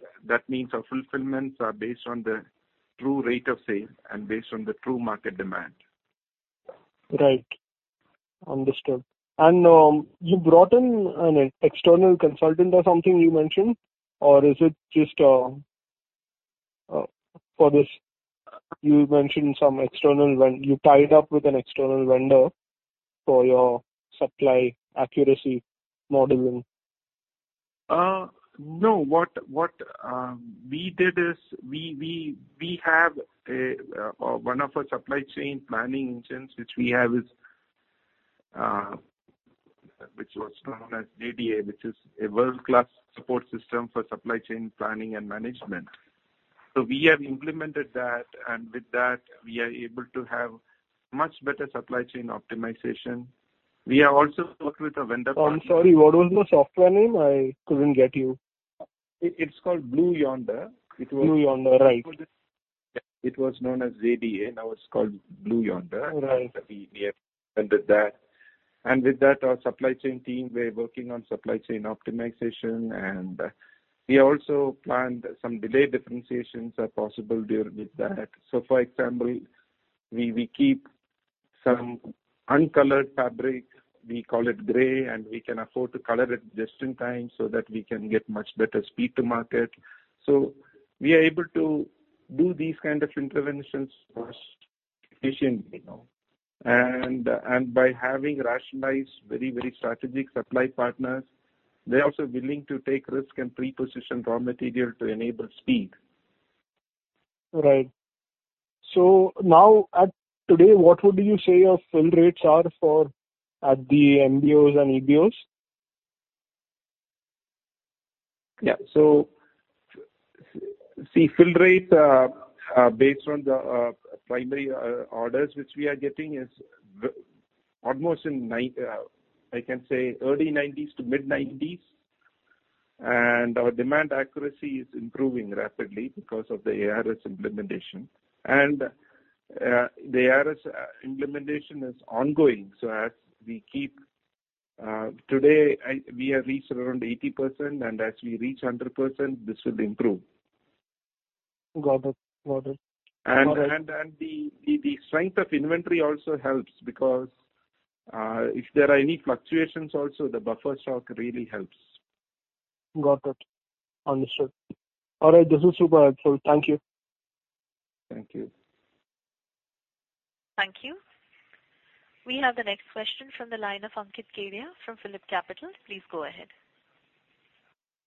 means our fulfillments are based on the true rate of sale and based on the true market demand. Right. Understood. You brought in an external consultant or something you mentioned, or is it just for this you mentioned some external vendor? You tied up with an external vendor for your supply accuracy modeling? No. What we did is we have one of our supply chain planning engines which was known as JDA, which is a world-class support system for supply chain planning and management. We have implemented that, and with that we are able to have much better supply chain optimization. We have also worked with a vendor partner- I'm sorry, what was the software name? I couldn't get you. It's called Blue Yonder. Blue Yonder. Right. Before this it was known as JDA, now it's called Blue Yonder. Right. We have implemented that. With that, our supply chain team, we're working on supply chain optimization and we also planned some lead differentiations are possible there with that. For example, we keep some uncolored fabric, we call it gray, and we can afford to color it just in time so that we can get much better speed to market. We are able to do these kind of interventions more efficiently now. By having rationalized very, very strategic supply partners, they're also willing to take risk and pre-position raw material to enable speed. Right. Now, as of today, what would you say your fill rates are for the MBOs and EBOs? See, fill rate based on the primary orders which we are getting is almost 90%. I can say early 90s% to mid-90s%. Our demand accuracy is improving rapidly because of the ARS implementation. The ARS implementation is ongoing, so today we have reached around 80%, and as we reach 100%, this will improve. Got it. Got it. The strength of inventory also helps because if there are any fluctuations also, the buffer stock really helps. Got it. Understood. All right. This is super helpful. Thank you. Thank you. Thank you. We have the next question from the line of Ankit Kedia from Phillip Capital. Please go ahead.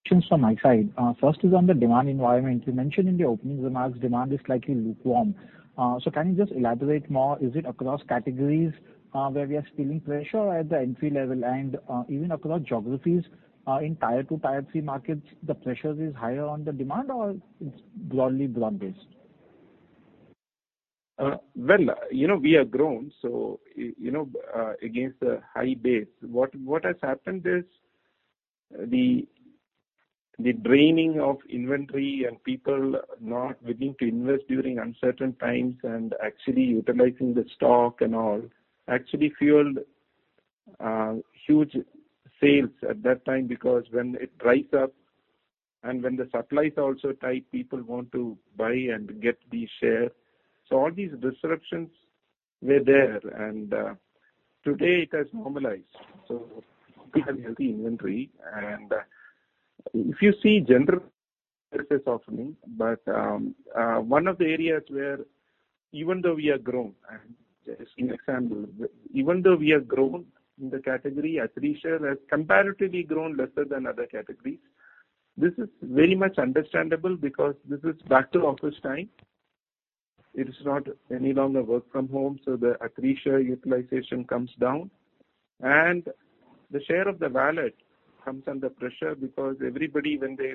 Questions from my side. First is on the demand environment. You mentioned in the opening remarks demand is slightly lukewarm. Can you just elaborate more? Is it across categories, where we are feeling pressure at the entry level and, even across geographies, in tier two, tier three markets, the pressure is higher on the demand or it's broadly based? Well, you know, we have grown, so you know against the high base. What has happened is the draining of inventory and people not willing to invest during uncertain times and actually utilizing the stock and all actually fueled huge sales at that time. Because when it dries up and when the supplies are also tight, people want to buy and get the share. All these disruptions were there, and today it has normalized. We have healthy inventory. If you see general purchases softening. One of the areas where even though we have grown, and just an example, even though we have grown in the category, athleisure has comparatively grown lesser than other categories. This is very much understandable because this is back to office time. It is not any longer work from home, so the athleisure utilization comes down. The share of the wallet comes under pressure because everybody, when they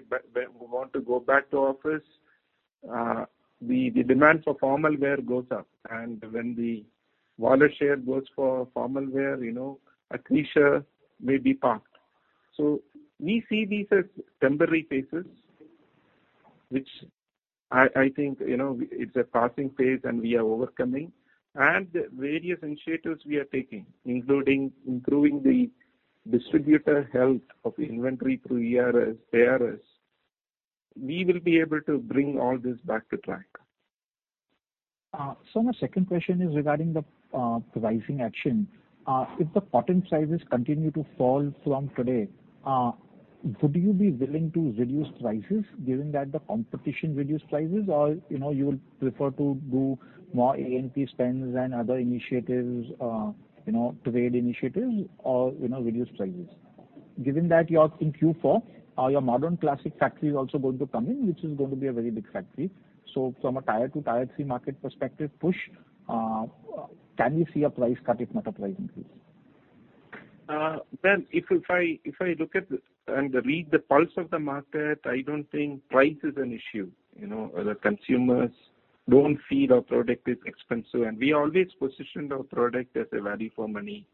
want to go back to office, the demand for formal wear goes up. When the wallet share goes for formal wear, you know, athleisure may be parked. We see these as temporary phases, which I think, you know, it's a passing phase and we are overcoming. Various initiatives we are taking, including improving the distributor health of inventory through ERS, DRS. We will be able to bring all this back on track. My second question is regarding the pricing action. If the cotton prices continue to fall from today, would you be willing to reduce prices given that the competition reduce prices? Or, you know, you would prefer to do more A&P spends and other initiatives, you know, trade initiatives or, you know, reduce prices. Given that you are in Q4, your modern classic factory is also going to come in, which is going to be a very big factory. So from a tier two, tier three market perspective push, can we see a price cut if not a price increase? Well, if I look at and read the pulse of the market, I don't think price is an issue. You know, the consumers don't feel our product is expensive, and we always positioned our product as a value for money,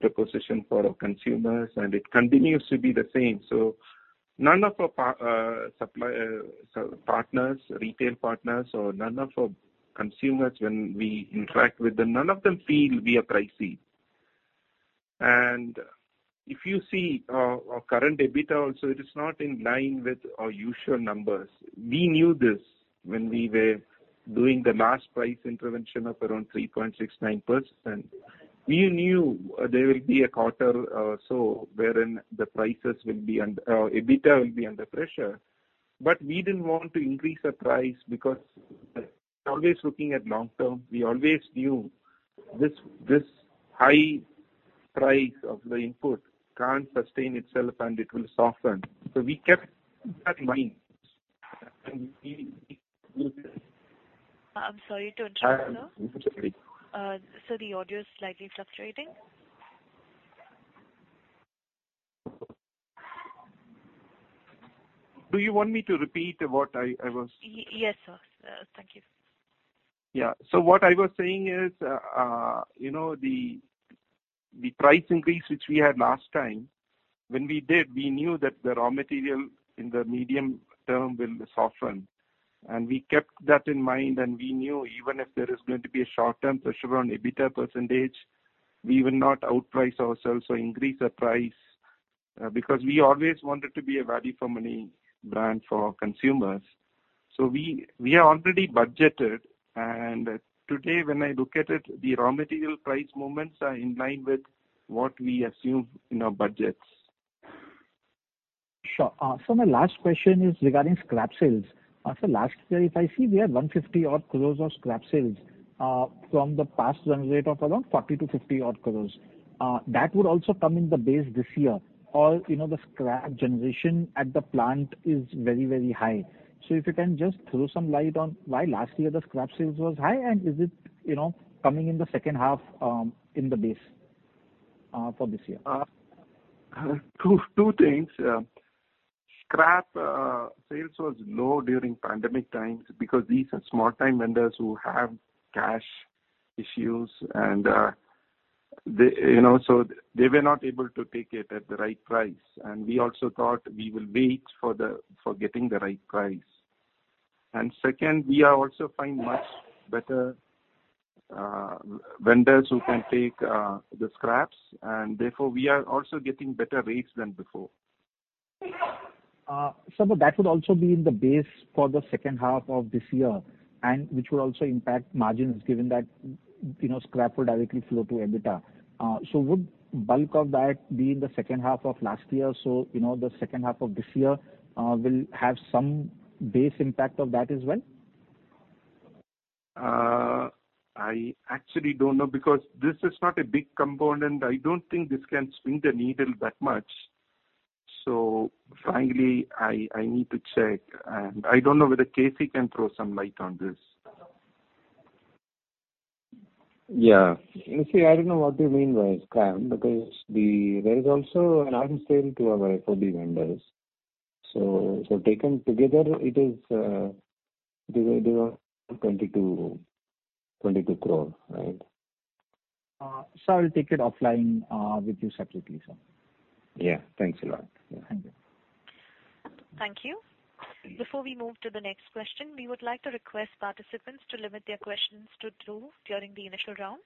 the position for our consumers, and it continues to be the same. None of our supply partners, retail partners or none of our consumers when we interact with them, none of them feel we are pricey. If you see our current EBITDA also, it is not in line with our usual numbers. We knew this when we were doing the last price intervention of around 3.69%. We knew there will be a quarter wherein the EBITDA will be under pressure. We didn't want to increase our price because always looking at long term, we always knew this high price of the input can't sustain itself and it will soften. We kept that in mind. We I'm sorry to interrupt, sir. Sorry. Sir, the audio is slightly fluctuating. Do you want me to repeat what I? Yes, sir. Thank you. Yeah. What I was saying is, you know, the price increase which we had last time, when we did, we knew that the raw material in the medium term will soften. We kept that in mind, and we knew even if there is going to be a short-term pressure on EBITDA percentage, we will not outprice ourselves or increase our price, because we always wanted to be a value for money brand for our consumers. We are already budgeted, and today when I look at it, the raw material price movements are in line with what we assumed in our budgets. Sure. My last question is regarding scrap sales. Last year, if I see we had 150-odd crore of scrap sales, from the past generation of around 40 crore-50 crore. That would also come in the base this year or, you know, the scrap generation at the plant is very, very high. If you can just throw some light on why last year the scrap sales was high and is it, you know, coming in the second half, in the base, for this year? Two things. Scrap sales was low during pandemic times because these are small time vendors who have cash issues and they, you know, so they were not able to take it at the right price. We also thought we will wait for getting the right price. Second, we are also find much better vendors who can take the scraps, and therefore we are also getting better rates than before. Sir, that would also be in the base for the second half of this year and which would also impact margins given that, you know, scrap would directly flow to EBITDA. Would bulk of that be in the second half of last year, so, you know, the second half of this year will have some base impact of that as well? I actually don't know because this is not a big component. I don't think this can swing the needle that much. Frankly, I need to check and I don't know whether KC can throw some light on this. You see, I don't know what you mean by scrap because there is also an item sale to our FOB vendors. Taken together it is divided by 22 crore, right? Sir, I'll take it offline with you separately, sir. Yeah. Thanks a lot. Thank you. Thank you. Before we move to the next question, we would like to request participants to limit their questions to two during the initial round.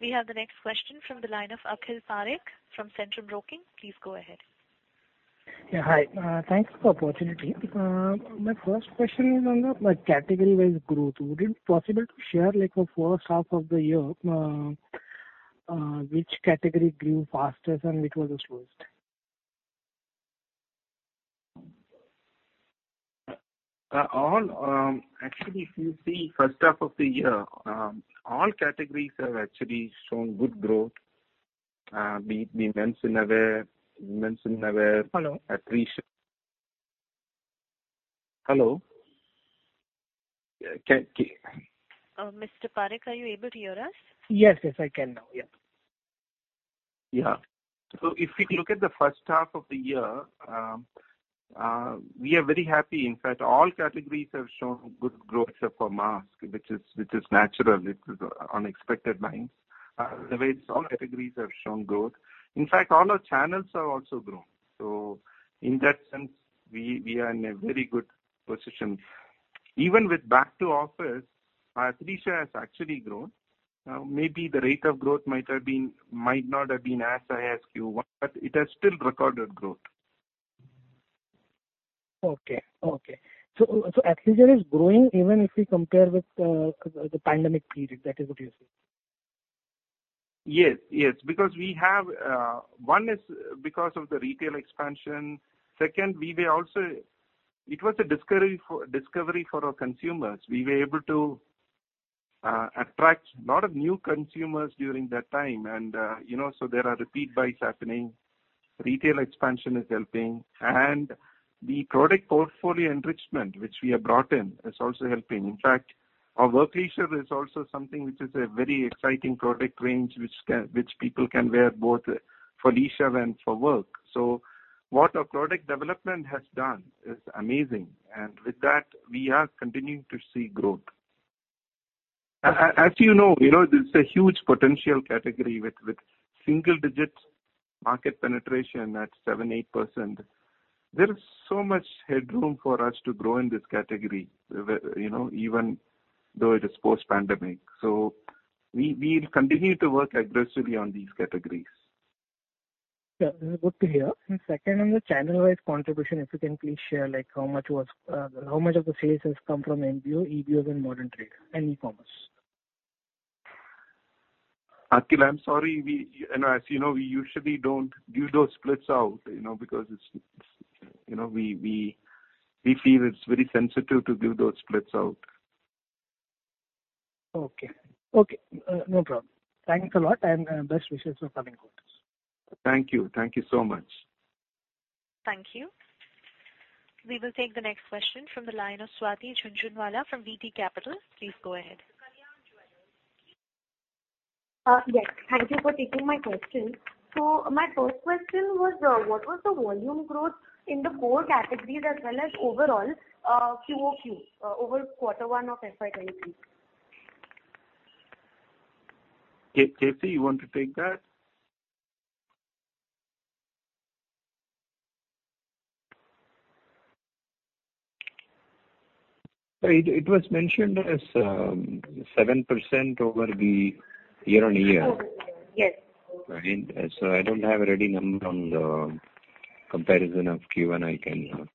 We have the next question from the line of Akhil Parekh from Centrum Broking. Please go ahead. Yeah, hi. Thanks for opportunity. My first question is on the, like, category-wise growth. Would it possible to share like the first half of the year, which category grew fastest and which was the slowest? Actually, if you see first half of the year, all categories have actually shown good growth. Hello? Appreciation. Hello? Mr. Parekh, are you able to hear us? Yes, yes, I can now. Yeah. Yeah. If we look at the first half of the year, we are very happy. In fact, all categories have shown good growth except for mask, which is natural. It is on expected lines. Otherwise, all categories have shown growth. In fact, all our channels have also grown. In that sense, we are in a very good position. Even with back to office, our athleisure has actually grown. Maybe the rate of growth might not have been as high as Q1, but it has still recorded growth. Athleisure is growing even if we compare with the pandemic period. That is what you're saying? Yes, yes. One is because of the retail expansion. Second, it was a discovery for our consumers. We were able to attract a lot of new consumers during that time and, you know, so there are repeat buys happening. Retail expansion is helping. The product portfolio enrichment, which we have brought in, is also helping. In fact, our work leisure is also something which is a very exciting product range which people can wear both for leisure and for work. What our product development has done is amazing, and with that, we are continuing to see growth. As you know, this is a huge potential category with single-digit market penetration at 7%-8%. There is so much headroom for us to grow in this category, you know, even though it is post-pandemic. We'll continue to work aggressively on these categories. Yeah. Good to hear. Second, on the channel-wide contribution, if you can please share, like, how much of the sales has come from MBO, EBO and modern trade and e-commerce? Akhil, I'm sorry. As you know, we usually don't give those splits out, you know, because it's, you know, we feel it's very sensitive to give those splits out. Okay. No problem. Thanks a lot, and best wishes for coming quarters. Thank you. Thank you so much. Thank you. We will take the next question from the line of Swati Jhunjhunwala from DT Capital. Please go ahead. Yes. Thank you for taking my question. My first question was, what was the volume growth in the core categories as well as overall, QOQ, over quarter one of FY23? KC., you want to take that? It was mentioned as 7% over the year-on-year. Okay. Yes. Right. I don't have a ready number on the comparison of Q1. I can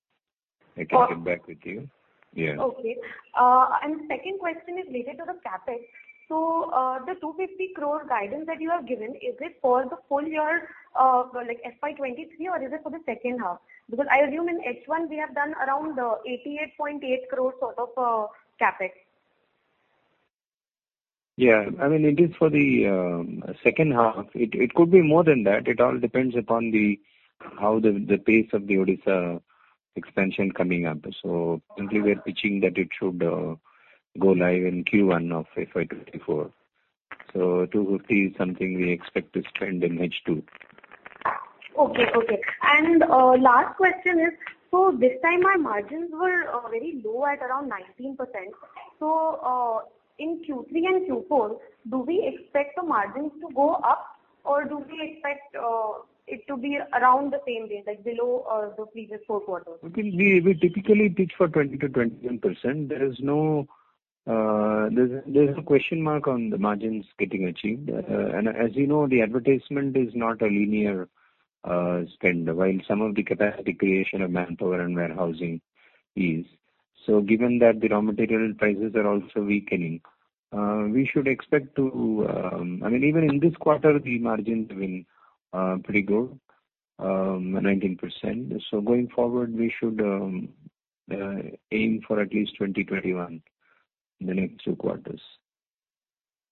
get back with you. Okay. Yeah. Second question is related to the CapEx. The 250 crore guidance that you have given, is it for the full year, like FY23, or is it for the second half? Because I assume in H1 we have done around 88.8 crore sort of CapEx. Yeah. I mean, it is for the second half. It could be more than that. It all depends upon how the pace of the Odisha expansion coming up. Simply we're pitching that it should go live in Q1 of FY 2024. 250 is something we expect to spend in H2. Okay. Last question is, this time our margins were very low at around 19%. In Q3 and Q4, do we expect the margins to go up, or do we expect it to be around the same range, like below the previous four quarters? We typically pitch for 20%-21%. There's no question mark on the margins getting achieved. As you know, the advertisement is not a linear spend, while some of the capacity creation of manpower and warehousing is. Given that the raw material prices are also weakening, we should expect. I mean, even in this quarter, the margins have been pretty good, 19%. Going forward, we should aim for at least 20%-21% in the next two quarters.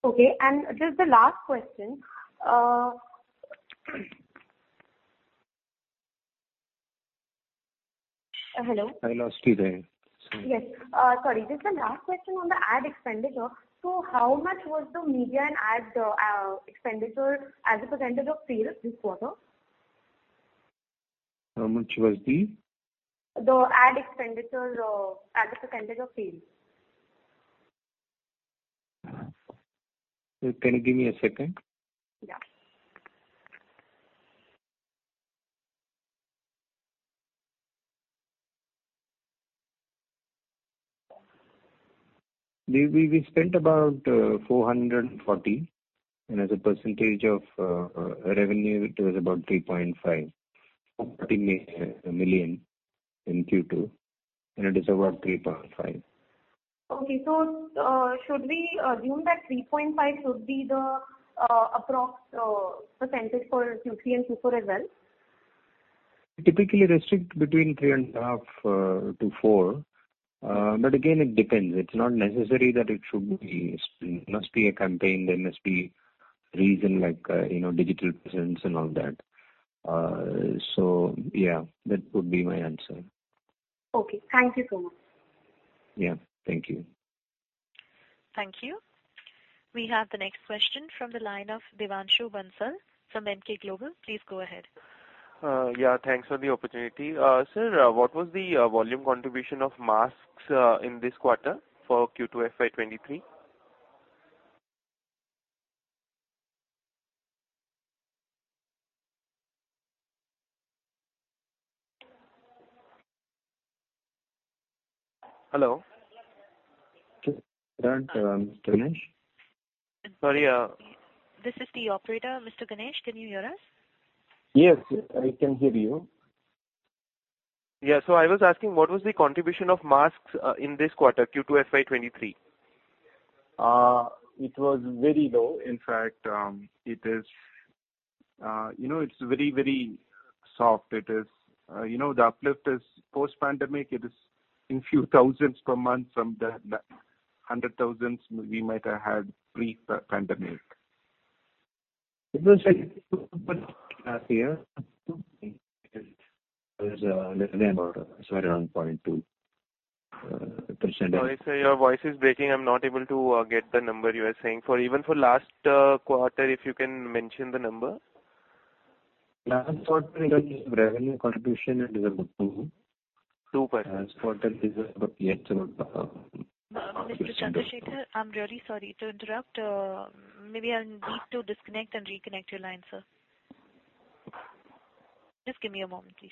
Okay. Just the last question. Hello? I lost you there. Sorry. Yes. Sorry. Just the last question on the ad expenditure. How much was the media and ad expenditure as a percentage of sales this quarter? How much was the? The ad expenditure as a % of sales. Can you give me a second? Yeah. We spent about 440 million. As a percentage of revenue, it was about 3.5%. 40 million in Q2, and it is about 3.5%. Should we assume that 3 point should be the approx percentage for Q3 and Q4 as well? We typically restrict between 3.5-4. Again, it depends. It's not necessary that it should be. It must be a campaign. There must be reason like, you know, digital presence and all that. Yeah, that would be my answer. Okay. Thank you so much. Yeah. Thank you. Thank you. We have the next question from the line of Devanshu Bansal from Emkay Global. Please go ahead. Yeah, thanks for the opportunity. Sir, what was the volume contribution of masks in this quarter for Q2 FY23? Hello. Sorry. This is the operator. Mr. V.S. Ganesh, can you hear us? Yes, I can hear you. Yeah. I was asking what was the contribution of masks in this quarter, Q2 FY 2023? It was very low. In fact, it is, you know, it's very, very soft. It is, you know, the uplift is post-pandemic. It is in few thousands per month from the hundred thousands we might have had pre-pandemic. It was like around 0.2%. Sorry, sir, your voice is breaking. I'm not able to get the number you are saying. Even for last quarter, if you can mention the number. Last quarter in terms of revenue contribution it is about 2%. 2%. As for the Mr. Chandrasekar, I'm really sorry to interrupt. Maybe I'll need to disconnect and reconnect your line, sir. Just give me a moment, please.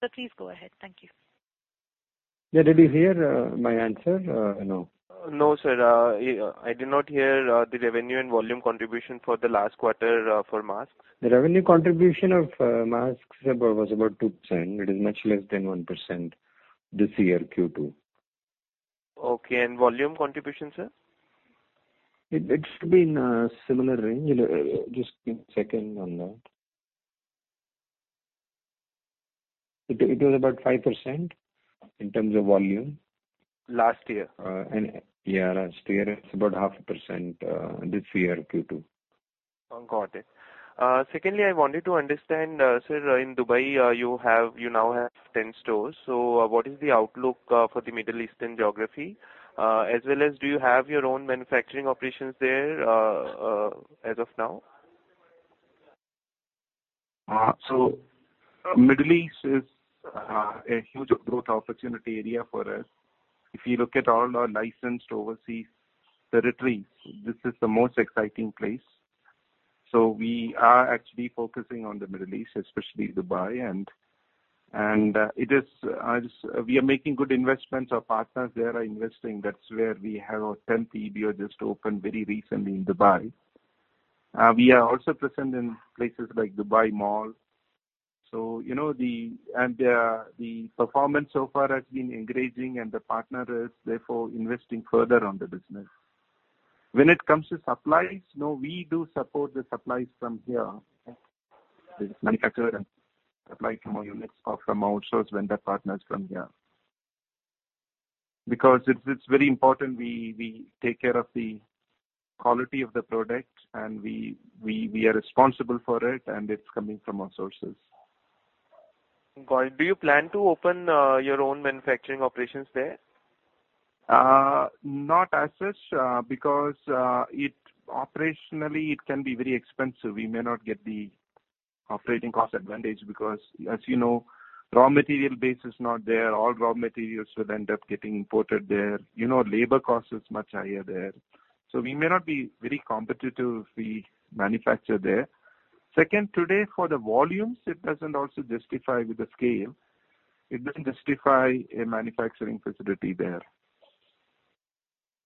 Sir, please go ahead. Thank you. Did you hear my answer, no? No, sir. I did not hear the revenue and volume contribution for the last quarter for masks. The revenue contribution of masks was about 2%. It is much less than 1% this year, Q2. Okay. Volume contribution, sir? It should be in a similar range. Just give me a second on that. It was about 5% in terms of volume. Last year. Yeah, last year. It's about 0.5%, this year, Q2. Got it. Secondly, I wanted to understand, sir, in Dubai, you now have 10 stores. What is the outlook for the Middle Eastern geography? As well as do you have your own manufacturing operations there, as of now? Middle East is a huge growth opportunity area for us. If you look at all our licensed overseas territories, this is the most exciting place. We are actually focusing on the Middle East, especially Dubai. It is just we are making good investments. Our partners there are investing. That's where we have our tenth EBO just opened very recently in Dubai. We are also present in places like Dubai Mall. You know, the performance so far has been engaging and the partner is therefore investing further on the business. When it comes to supplies, no, we do support the supplies from here. We manufacture and supply from our units or from our source vendor partners from here. Because it's very important we take care of the quality of the product and we are responsible for it and it's coming from our sources. Got it. Do you plan to open your own manufacturing operations there? Not as such, because it operationally can be very expensive. We may not get the operating cost advantage because as you know, raw material base is not there. All raw materials would end up getting imported there. You know, labor cost is much higher there. We may not be very competitive if we manufacture there. Second, today, for the volumes, it doesn't also justify with the scale. It doesn't justify a manufacturing facility there.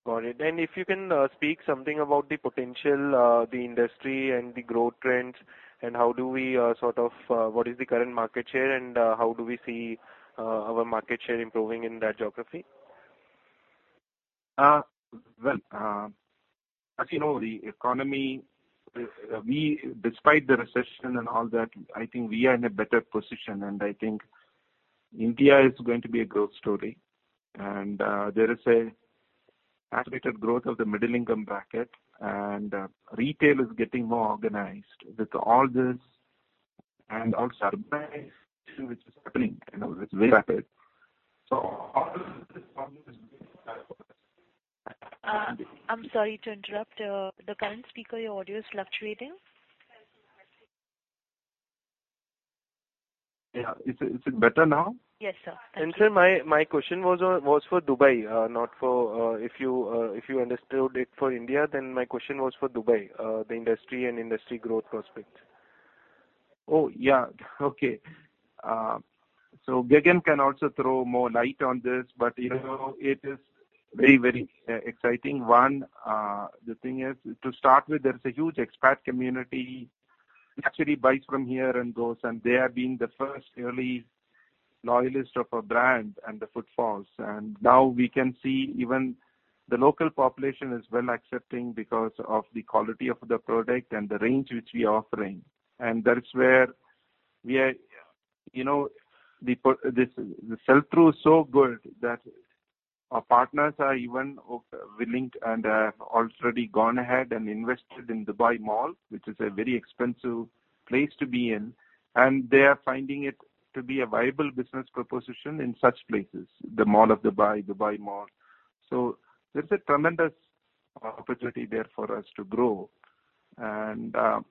Got it. If you can speak something about the potential, the industry and the growth trends and how do we sort of what is the current market share and how do we see our market share improving in that geography? Well, as you know, the economy, we despite the recession and all that, I think we are in a better position. I think India is going to be a growth story. There is a estimated growth of the middle income bracket and retail is getting more organized with all this and also which is happening, you know, it's very rapid. After this I'm sorry to interrupt. The current speaker, your audio is fluctuating. Yeah. Is it better now? Yes, sir. Thank you. Sir, my question was for Dubai, not for if you understood it for India, then my question was for Dubai, the industry growth prospects. Oh, yeah. Okay. Gagan can also throw more light on this. You know, it is very exciting. The thing is to start with there is a huge expat community actually buys from here and goes. They are being the first early loyalist of a brand and the footfalls. Now we can see even the local population is well accepting because of the quality of the product and the range which we offering. That is where we are. You know, the sell-through is so good that our partners are even willing and have already gone ahead and invested in Dubai Mall, which is a very expensive place to be in, and they are finding it to be a viable business proposition in such places, the Mall of Dubai Mall. There's a tremendous opportunity there for us to grow. The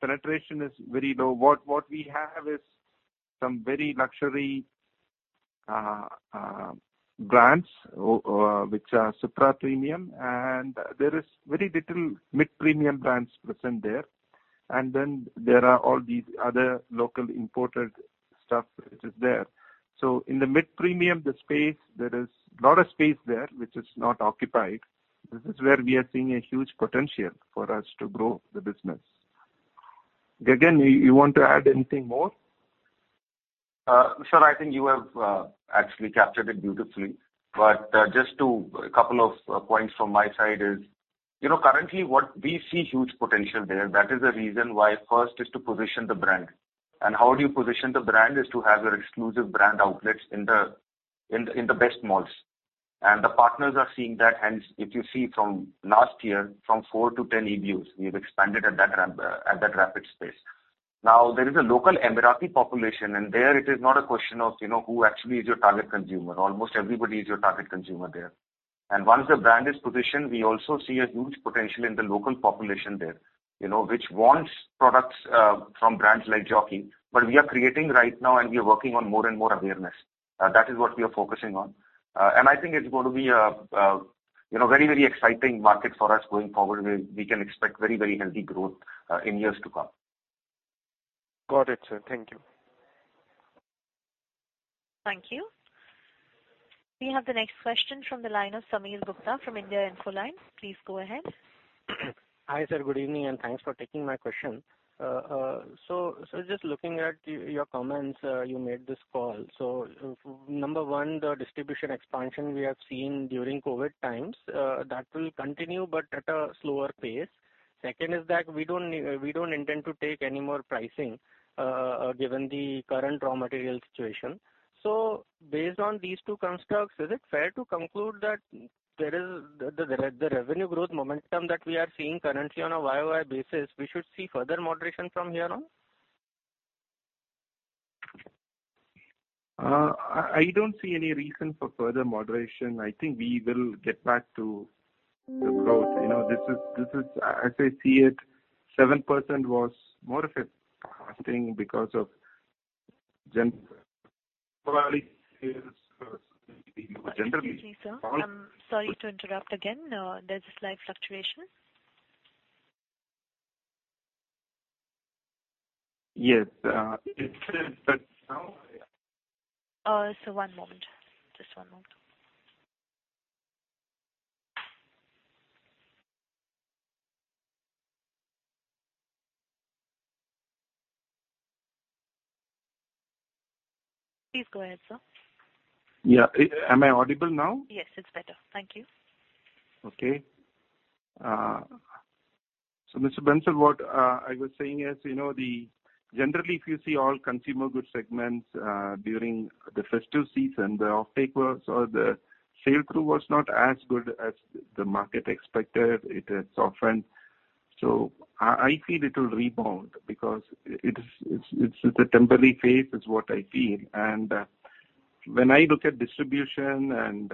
penetration is very low. What we have is some very luxury brands which are supra-premium, and there is very little mid-premium brands present there. Then there are all these other local imported stuff which is there. In the mid-premium, the space, there is a lot of space there which is not occupied. This is where we are seeing a huge potential for us to grow the business. Gagan, you want to add anything more? Sir, I think you have actually captured it beautifully. Just to a couple of points from my side is, you know, currently we see huge potential there. That is the reason why first is to position the brand. How do you position the brand is to have your exclusive brand outlets in the best malls. The partners are seeing that. Hence, if you see from last year, from 4-10 EBOs, we have expanded at that rapid pace. Now, there is a local Emirati population, and there it is not a question of, you know, who actually is your target consumer. Almost everybody is your target consumer there. Once the brand is positioned, we also see a huge potential in the local population there, you know, which wants products from brands like Jockey. We are creating right now, and we are working on more and more awareness. That is what we are focusing on. I think it's going to be a, you know, very, very exciting market for us going forward, where we can expect very, very healthy growth in years to come. Got it, sir. Thank you. Thank you. We have the next question from the line of Sameer Gupta from India Infoline. Please go ahead. Hi, sir. Good evening, and thanks for taking my question. Just looking at your comments, you made this call. Number one, the distribution expansion we have seen during COVID times, that will continue, but at a slower pace. Second is that we don't intend to take any more pricing, given the current raw material situation. Based on these two constructs, is it fair to conclude that there is the revenue growth momentum that we are seeing currently on a YOY basis, we should see further moderation from here on? I don't see any reason for further moderation. I think we will get back to the growth. You know, this is. As I see it, 7% was more of a costing because of Excuse me, sir. Sorry to interrupt again. There's a slight fluctuation. Yes, it says that now. One moment. Just one moment. Please go ahead, sir. Yeah. Am I audible now? Yes, it's better. Thank you. Mr. Sameer, what I was saying is, generally, if you see all consumer goods segments, during the festive season, the offtake was or the sell-through was not as good as the market expected. It has softened. I feel it will rebound because it's a temporary phase is what I feel. When I look at distribution and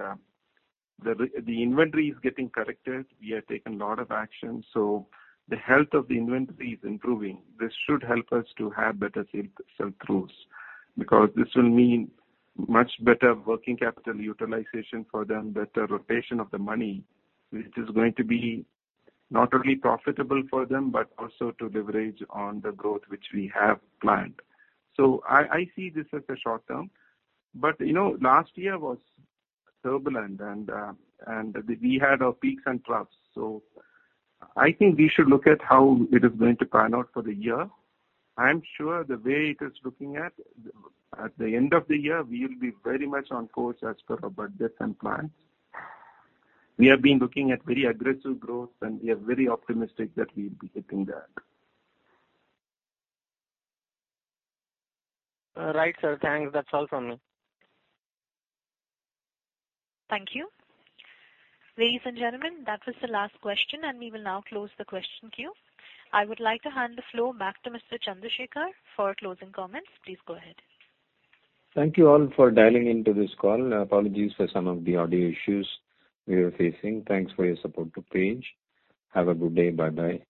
the inventory is getting corrected, we have taken a lot of action. The health of the inventory is improving. This should help us to have better sell-throughs, because this will mean much better working capital utilization for them, better rotation of the money, which is going to be not only profitable for them, but also to leverage on the growth which we have planned. I see this as a short term. You know, last year was turbulent and we had our peaks and troughs. I think we should look at how it is going to pan out for the year. I am sure the way it is looking at the end of the year, we will be very much on course as per our budgets and plans. We have been looking at very aggressive growth, and we are very optimistic that we'll be hitting that. Right, sir. Thanks. That's all from me. Thank you. Ladies and gentlemen, that was the last question, and we will now close the question queue. I would like to hand the floor back to Mr. Chandrasekar for closing comments. Please go ahead. Thank you all for dialing into this call. Apologies for some of the audio issues we were facing. Thanks for your support to Page. Have a good day. Bye-bye.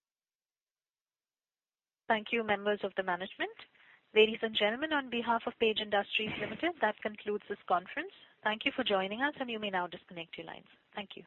Thank you, members of the management. Ladies and gentlemen, on behalf of Page Industries Limited, that concludes this conference. Thank you for joining us, and you may now disconnect your lines. Thank you.